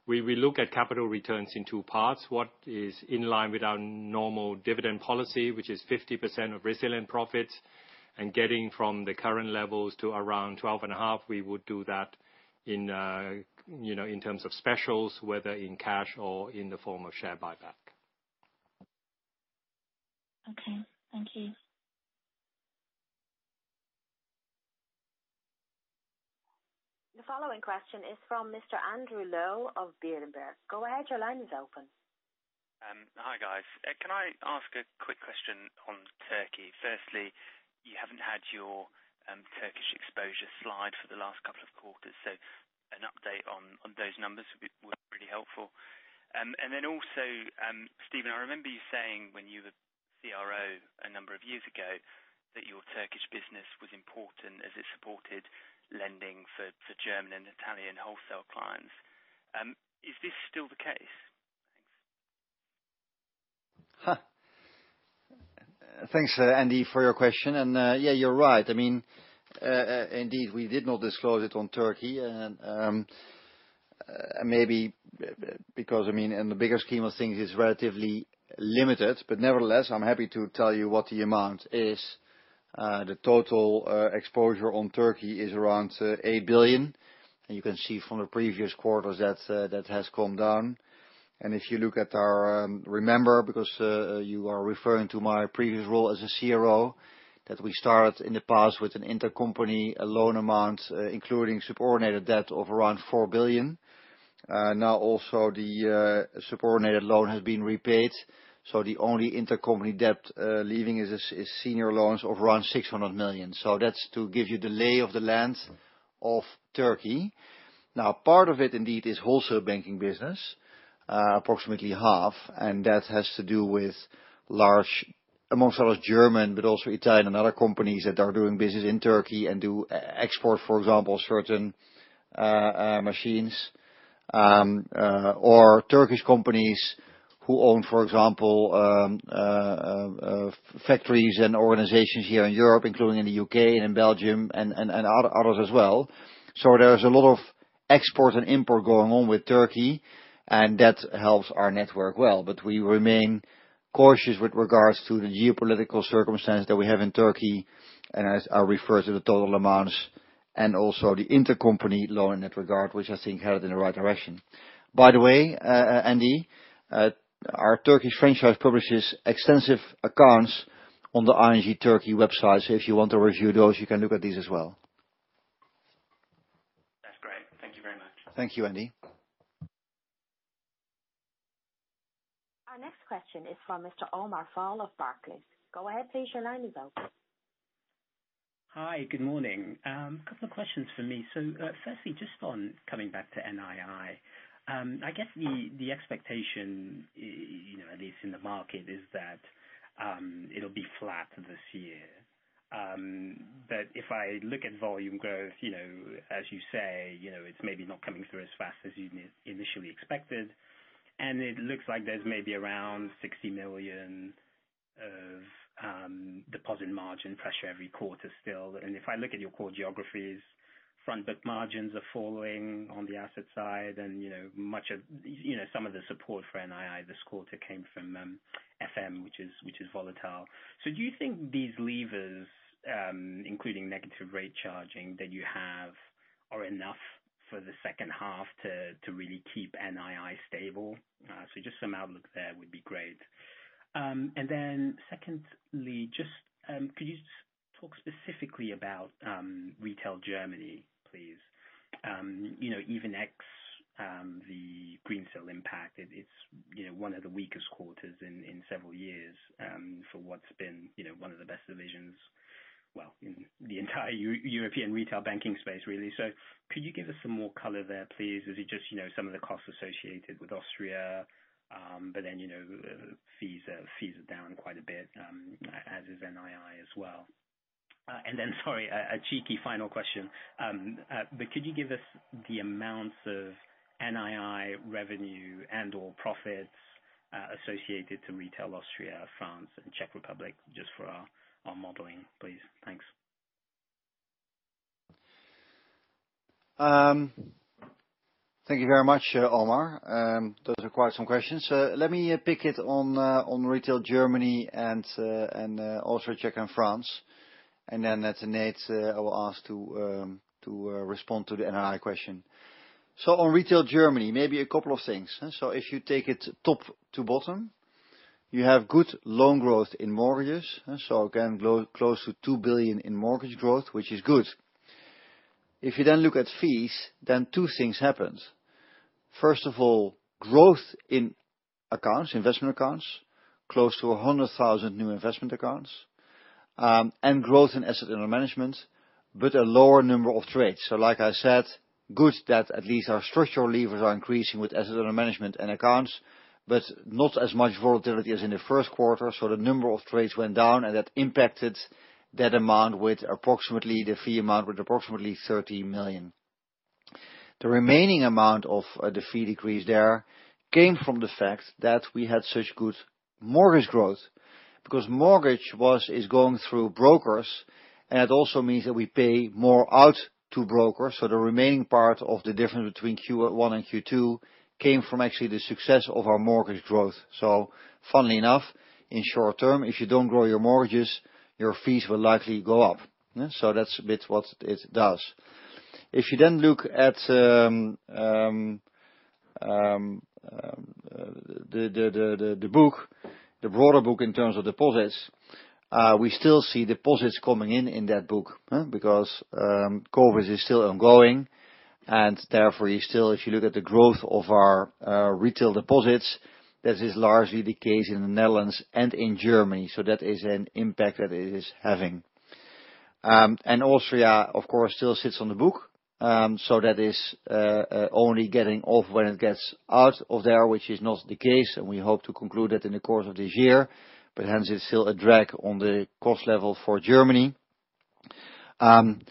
we look at capital returns in two parts, what is in line with our normal dividend policy, which is 50% of resilient profits, and getting from the current levels to around 12.5%. We would do that in terms of specials, whether in cash or in the form of share buyback. Okay. Thank you. The following question is from Mr. Andrew Lowe of Berenberg. Go ahead, your line is open. Hi, guys. Can I ask a quick question on Turkey? Firstly, you haven't had your Turkish exposure slide for the last couple of quarters. So an update on those numbers would be really helpful. Steven, I remember you saying when you were CRO a number of years ago, that your Turkish business was important as it supported lending for German and Italian wholesale clients. Is this still the case? Thanks. Thanks, Andy, for your question. Yeah, you're right. Indeed, we did not disclose it on Turkey, and maybe because in the bigger scheme of things, it's relatively limited. Nevertheless, I'm happy to tell you what the amount is. The total exposure on Turkey is around 8 billion. You can see from the previous quarters that has come down. If you look at remember, because you are referring to my previous role as a CRO, that we started in the past with an intercompany loan amount, including subordinated debt of around 4 billion. Also the subordinated loan has been repaid, so the only intercompany debt leaving is senior loans of around 600 million. That's to give you the lay of the land of Turkey. Part of it, indeed, is Wholesale Banking business, approximately half, and that has to do with large, amongst others, German, but also Italian and other companies that are doing business in Turkey and do export, for example, certain machines or Turkish companies who own, for example, factories and organizations here in Europe, including in the U.K. and in Belgium and others as well. There's a lot of export and import going on with Turkey, and that helps our network well. We remain cautious with regards to the geopolitical circumstance that we have in Turkey, and as I refer to the total amounts and also the intercompany loan in that regard, which I think headed in the right direction. By the way, Andy, our Turkish franchise publishes extensive accounts on the ING Turkey website. If you want to review those, you can look at these as well. That's great. Thank you very much. Thank you, Andy. Our next question is from Mr. Omar Fall of Barclays. Go ahead, please. Your line is open. Hi, good morning. A couple of questions for me. Firstly, just on coming back to NII. I guess the expectation at least in the market is that it'll be flat this year. If I look at volume growth, as you say, it's maybe not coming through as fast as you'd initially expected, and it looks like there's maybe around 60 million of deposit margin pressure every quarter still. If I look at your core geographies, front book margins are falling on the asset side and some of the support for NII this quarter came from FM, which is volatile. Do you think these levers, including negative rate charging that you have, are enough for the second half to really keep NII stable? Just some outlook there would be great. Secondly, could you just talk specifically about Retail Germany, please? Even ex the Greensill impact, it is one of the weakest quarters in several years for what has been one of the best divisions well, in the entire European retail banking space, really. Could you give us some more color there, please? Is it just some of the costs associated with Austria? Fees are down quite a bit, as is NII as well. Sorry, a cheeky final question, but could you give us the amounts of NII revenue and/or profits associated to Retail Austria, France, and Czech Republic just for our modeling, please? Thanks. Thank you very much, Omar. Those are quite some questions. Let me pick it on Retail Germany and also Czech and France. Tanate, I will ask to respond to the NII question. On Retail Germany, maybe a couple of things. If you take it top to bottom, you have good loan growth in mortgages. Again, close to 2 billion in mortgage growth, which is good. If you look at fees, then two things happened. First of all, growth in investment accounts, close to 100,000 new investment accounts, and growth in assets under management, but a lower number of trades. Like I said, good that at least our structural levers are increasing with assets under management and accounts, but not as much volatility as in the first quarter. The number of trades went down, and that impacted that amount with approximately the fee amount with approximately 30 million. The remaining amount of the fee decrease there came from the fact that we had such good mortgage growth because mortgage is going through brokers, and it also means that we pay more out to brokers. The remaining part of the difference between Q1 and Q2 came from actually the success of our mortgage growth. Funnily enough, in short term, if you don't grow your mortgages, your fees will likely go up. That's a bit what it does. If you then look at the book, the broader book in terms of deposits, we still see deposits coming in in that book because COVID is still ongoing. Therefore, you still, if you look at the growth of our retail deposits, this is largely the case in the Netherlands and in Germany. That is an impact that it is having. Austria, of course, still sits on the book. That is only getting off when it gets out of there, which is not the case, and we hope to conclude that in the course of this year. Hence it is still a drag on the cost level for Germany. When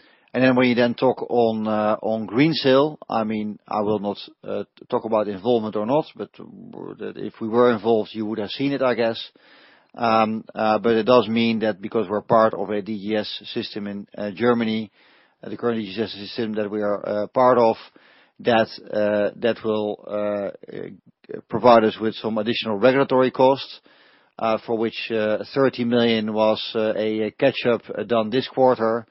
you then talk on Greensill, I will not talk about involvement or not, but if we were involved, you would have seen it, I guess. It does mean that because we're part of a DGS system in Germany, the current DGS system that we are a part of, that will provide us with some additional regulatory costs, for which 30 million was a catch-up done this quarter.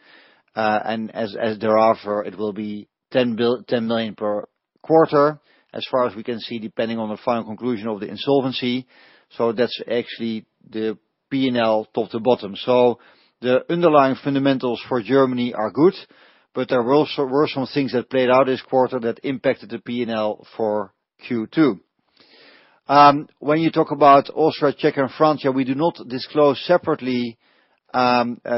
As thereafter, it will be 10 million per quarter, as far as we can see, depending on the final conclusion of the insolvency. That's actually the P&L top to bottom. The underlying fundamentals for Germany are good, but there were some things that played out this quarter that impacted the P&L for Q2. When you talk about Austria, Czech, and France, we do not disclose separately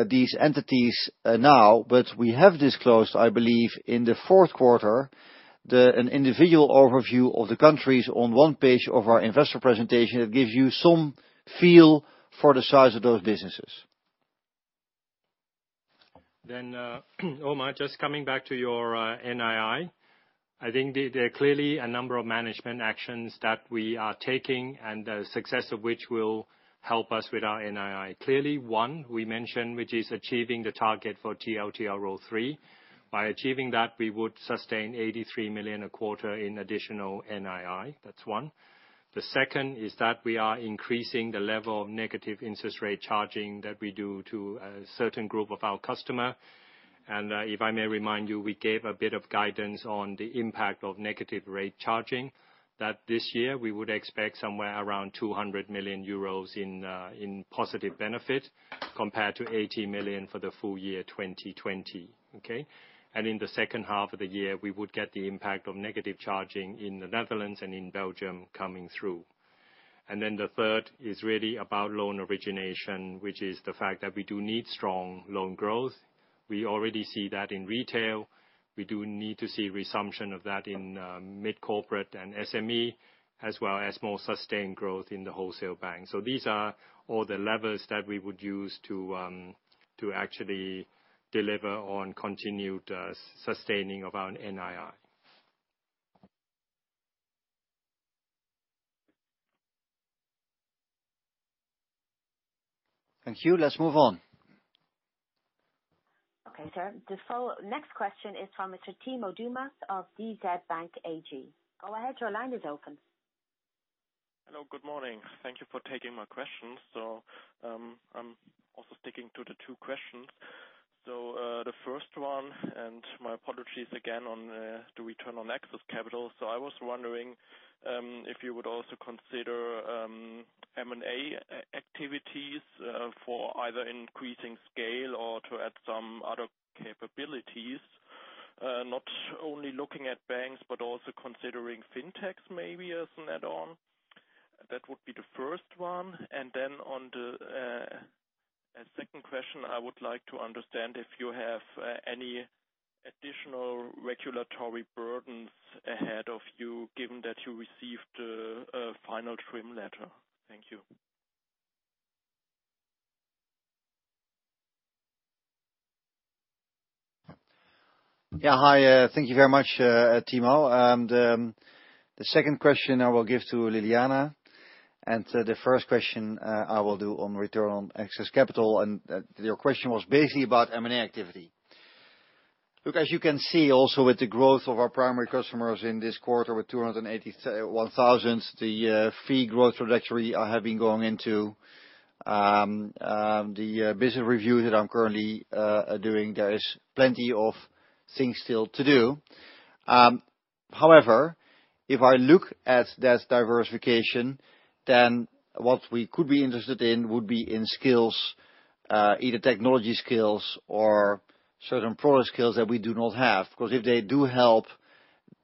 these entities now, but we have disclosed, I believe, in the fourth quarter, an individual overview of the countries on one page of our investor presentation. It gives you some feel for the size of those businesses. Omar, just coming back to your NII. There are clearly a number of management actions that we are taking and the success of which will help us with our NII. Clearly one, we mentioned, which is achieving the target for TLTRO III. By achieving that, we would sustain 83 million a quarter in additional NII. That's one. The second is that we are increasing the level of negative interest rate charging that we do to a certain group of our customer. If I may remind you, we gave a bit of guidance on the impact of negative rate charging. That this year we would expect somewhere around 200 million euros in positive benefit compared to 80 million for the full year 2020. Okay? In the second half of the year, we would get the impact of negative charging in the Netherlands and in Belgium coming through. The third is really about loan origination, which is the fact that we do need strong loan growth. We already see that in retail. We do need to see resumption of that in mid-corporate and SME, as well as more sustained growth in the Wholesale Banking. These are all the levers that we would use to actually deliver on continued sustaining of our NII. Thank you. Let's move on. Okay, sir. The next question is from Mr. Timo Dums of DZ BANK AG. Go ahead, your line is open. Hello, good morning. Thank you for taking my questions. I'm also sticking to the two questions. I was wondering if you would also consider M&A activities for either increasing scale or to add some other capabilities. Not only looking at banks but also considering fintechs maybe as an add-on. That would be the first one. On the second question, I would like to understand if you have any additional regulatory burdens ahead of you given that you received a final TRIM letter. Thank you. Yeah. Hi. Thank you very much, Timo. The second question I will give to Ljiljana, and the first question I will do on return on excess capital, and your question was basically about M&A activity. Look, as you can see also with the growth of our primary customers in this quarter with 281,000, the fee growth trajectory I have been going into, the business review that I'm currently doing, there is plenty of things still to do. However, if I look at this diversification, then what we could be interested in would be in skills, either technology skills or certain product skills that we do not have. Because if they do help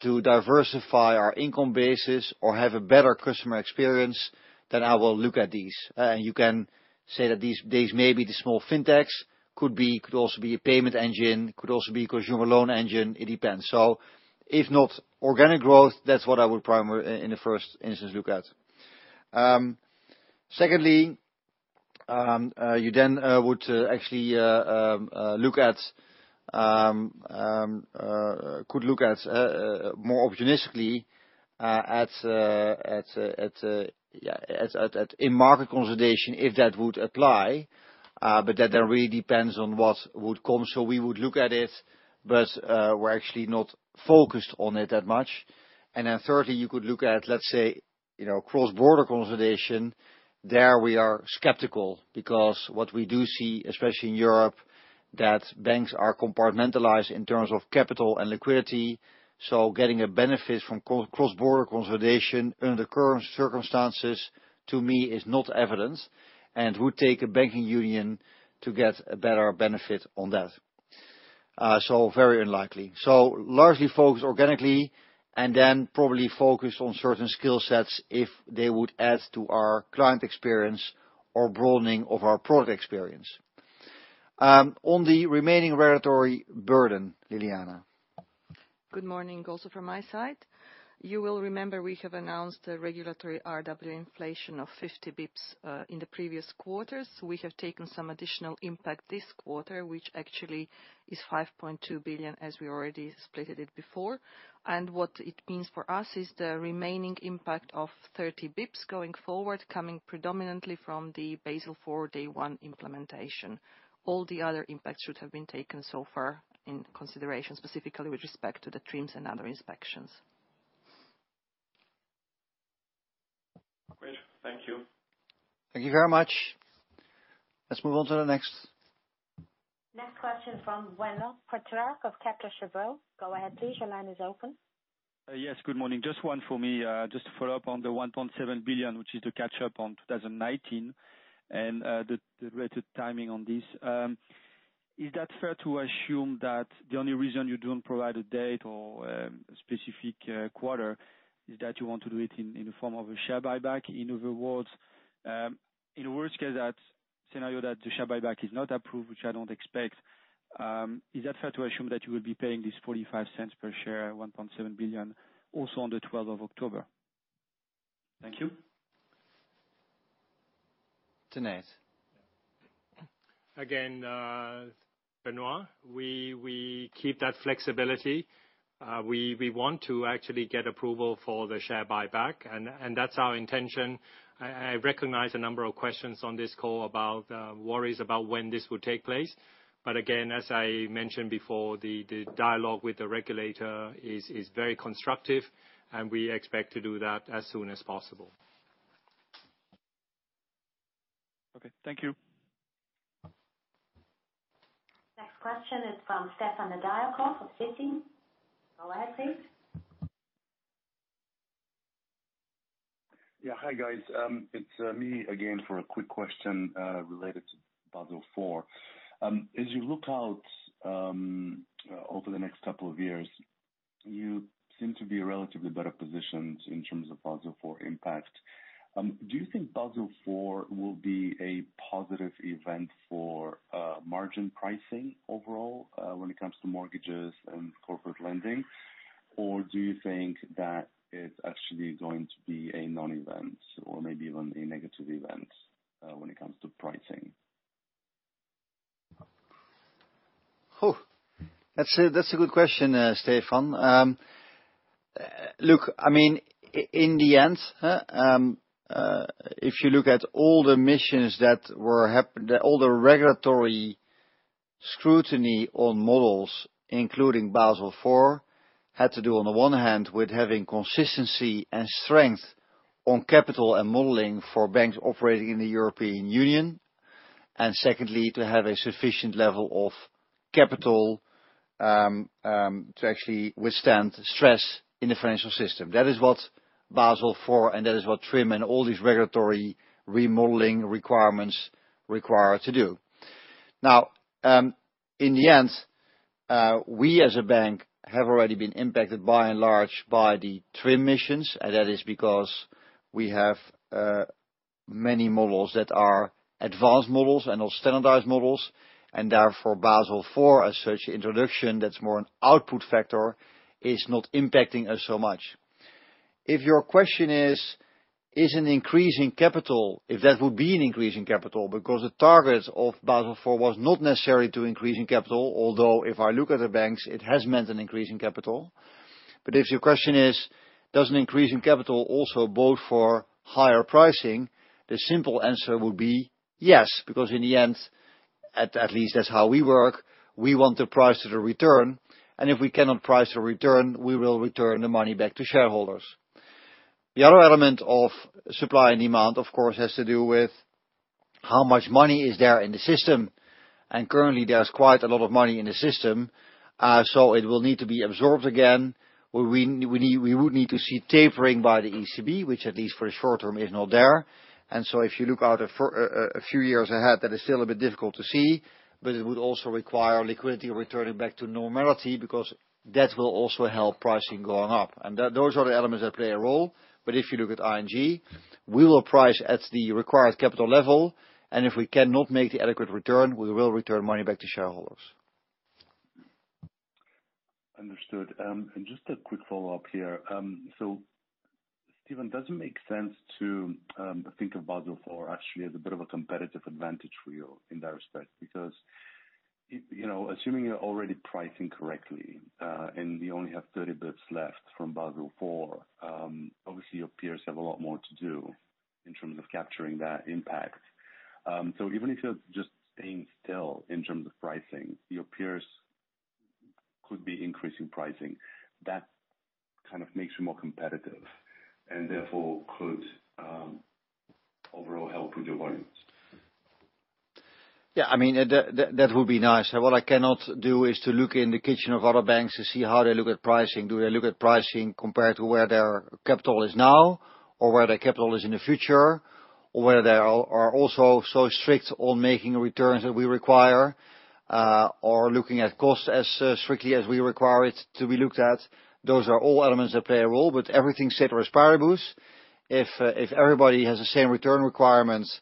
to diversify our income bases or have a better customer experience, then I will look at these. You can say that these may be the small fintechs, could also be a payment engine, could also be consumer loan engine, it depends. If not organic growth, that's what I would primary, in the first instance, look at. Secondly, you could look at, more opportunistically, at in-market consolidation, if that would apply. That then really depends on what would come. We would look at it, but we're actually not focused on it that much. Thirdly, you could look at, let's say, cross-border consolidation. There we are skeptical, because what we do see, especially in Europe, that banks are compartmentalized in terms of capital and liquidity. Getting a benefit from cross-border consolidation under the current circumstances, to me, is not evident and would take a banking union to get a better benefit on that. Very unlikely. Largely focused organically and then probably focused on certain skill sets if they would add to our client experience or broadening of our product experience. On the remaining regulatory burden, Ljiljana. Good morning also from my side. You will remember we have announced a regulatory RWA inflation of 50 basis points in the previous quarters. We have taken some additional impact this quarter, which actually is 5.2 billion, as we already split it before. What it means for us is the remaining impact of 30 basis points going forward, coming predominantly from the Basel IV day one implementation. All the other impacts should have been taken so far in consideration, specifically with respect to the TRIMs and other inspections. Great. Thank you. Thank you very much. Let's move on to the next. Next question from Benoît Pétrarque of Kepler Cheuvreux. Go ahead please, your line is open. Yes, good morning. Just one for me. Just to follow up on the 1.7 billion, which is the catch-up on 2019 and the related timing on this. Is that fair to assume that the only reason you don't provide a date or a specific quarter is that you want to do it in the form of a share buyback? In other words, in a worst case scenario that the share buyback is not approved, which I don't expect, is that fair to assume that you will be paying this 0.45 per share, 1.7 billion, also on the 12th of October? Thank you. Tanate? Benoît, we keep that flexibility. We want to actually get approval for the share buyback, and that's our intention. I recognize a number of questions on this call about worries about when this would take place. Again, as I mentioned before, the dialogue with the regulator is very constructive, and we expect to do that as soon as possible. Okay. Thank you. Next question is from Stefan Nedialkov of Citi. Go ahead, please. Hi, guys. It's me again for a quick question related to Basel IV. As you look out over the next couple of years, you seem to be relatively better positioned in terms of Basel IV impact. Do you think Basel IV will be a positive event for margin pricing overall when it comes to mortgages and corporate lending? Do you think that it's actually going to be a non-event or maybe even a negative event when it comes to pricing? That's a good question, Stefan. Look, in the end, if you look at all the missions that were happening, all the regulatory scrutiny on models, including Basel IV, had to do on the one hand with having consistency and strength on capital and modeling for banks operating in the European Union. Secondly, to have a sufficient level of capital to actually withstand stress in the financial system. That is what Basel IV, and that is what TRIM and all these regulatory remodeling requirements require to do. In the end, we as a bank have already been impacted by and large by the TRIM missions, and that is because we have many models that are advanced models and are standardized models, and therefore Basel IV, as such introduction, that's more an output factor, is not impacting us so much. If your question is an increase in capital, if that would be an increase in capital, because the target of Basel IV was not necessarily to increase in capital, although if I look at the banks, it has meant an increase in capital. If your question is, does an increase in capital also bode for higher pricing? The simple answer would be yes, because in the end, at least that's how we work, we want the price of the return, and if we cannot price the return, we will return the money back to shareholders. The other element of supply and demand, of course, has to do with how much money is there in the system, and currently there's quite a lot of money in the system. It will need to be absorbed again. We would need to see tapering by the ECB, which at least for the short term is not there. If you look out a few years ahead, that is still a bit difficult to see, but it would also require liquidity returning back to normality because that will also help pricing going up. Those are the elements that play a role. If you look at ING, we will price at the required capital level, and if we cannot make the adequate return, we will return money back to shareholders. Understood. Just a quick follow-up here. Steven, does it make sense to think of Basel IV actually as a bit of a competitive advantage for you in that respect? Because assuming you're already pricing correctly, and you only have 30 basis points left from Basel IV, obviously your peers have a lot more to do in terms of capturing that impact. Even if you're just staying still in terms of pricing, your peers could be increasing pricing. That kind of makes you more competitive and therefore could overall help with your volumes. Yeah, that would be nice. What I cannot do is to look in the kitchen of other banks to see how they look at pricing. Do they look at pricing compared to where their capital is now, or where their capital is in the future, or where they are also so strict on making returns that we require, or looking at costs as strictly as we require it to be looked at? Those are all elements that play a role, but everything ceteris paribus. If everybody has the same return requirements,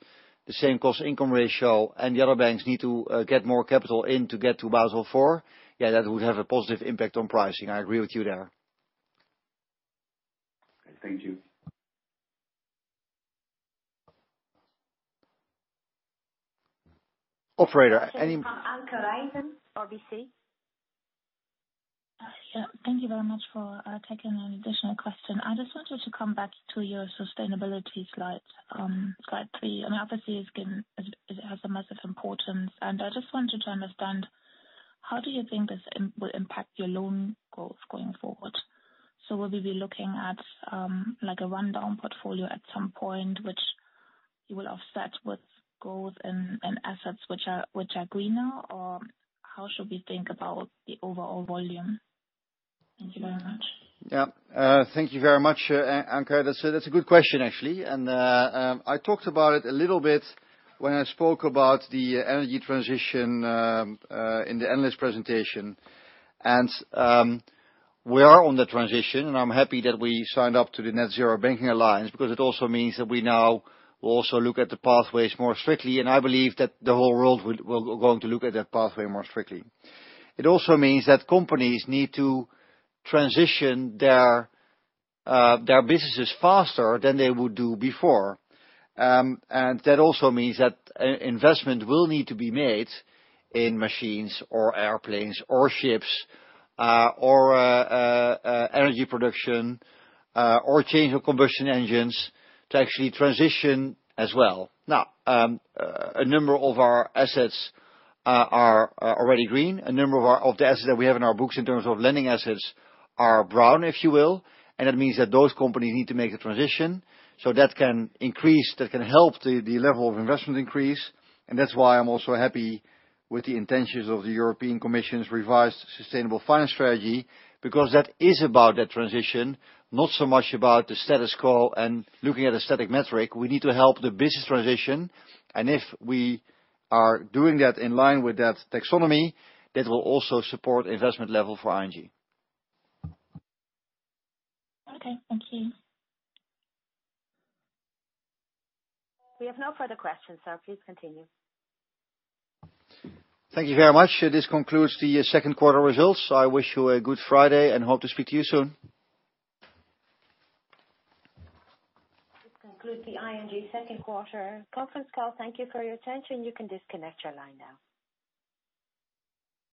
the same cost income ratio, and the other banks need to get more capital in to get to Basel IV, yeah, that would have a positive impact on pricing. I agree with you there. Thank you. Operator- Anke Reingen, RBC. Yeah. Thank you very much for taking an additional question. I just wanted to come back to your sustainability slides. Slide three, obviously it has a massive importance, and I just wanted to understand how do you think this will impact your loan growth going forward? Will we be looking at a rundown portfolio at some point, which you will offset with growth and assets which are greener? How should we think about the overall volume? Thank you very much. Yeah. Thank you very much, Anke. That's a good question, actually. I talked about it a little bit when I spoke about the energy transition in the analyst presentation. We are on the transition, and I'm happy that we signed up to the Net-Zero Banking Alliance because it also means that we now will also look at the pathways more strictly. I believe that the whole world will go on to look at that pathway more strictly. It also means that companies need to transition their businesses faster than they would do before. That also means that investment will need to be made in machines or airplanes or ships or energy production or change of combustion engines to actually transition as well. Now, a number of our assets are already green. A number of the assets that we have in our books in terms of lending assets are brown, if you will, and that means that those companies need to make a transition. That can help the level of investment increase, and that's why I'm also happy with the intentions of the European Commission's revised sustainable finance strategy, because that is about that transition, not so much about the status quo and looking at a static metric. We need to help the business transition, and if we are doing that in line with that taxonomy, that will also support investment level for ING. Okay. Thank you. We have no further questions, so please continue. Thank you very much. This concludes the second quarter results. I wish you a good Friday and hope to speak to you soon. This concludes the ING second quarter conference call. Thank you for your attention. You can disconnect your line now.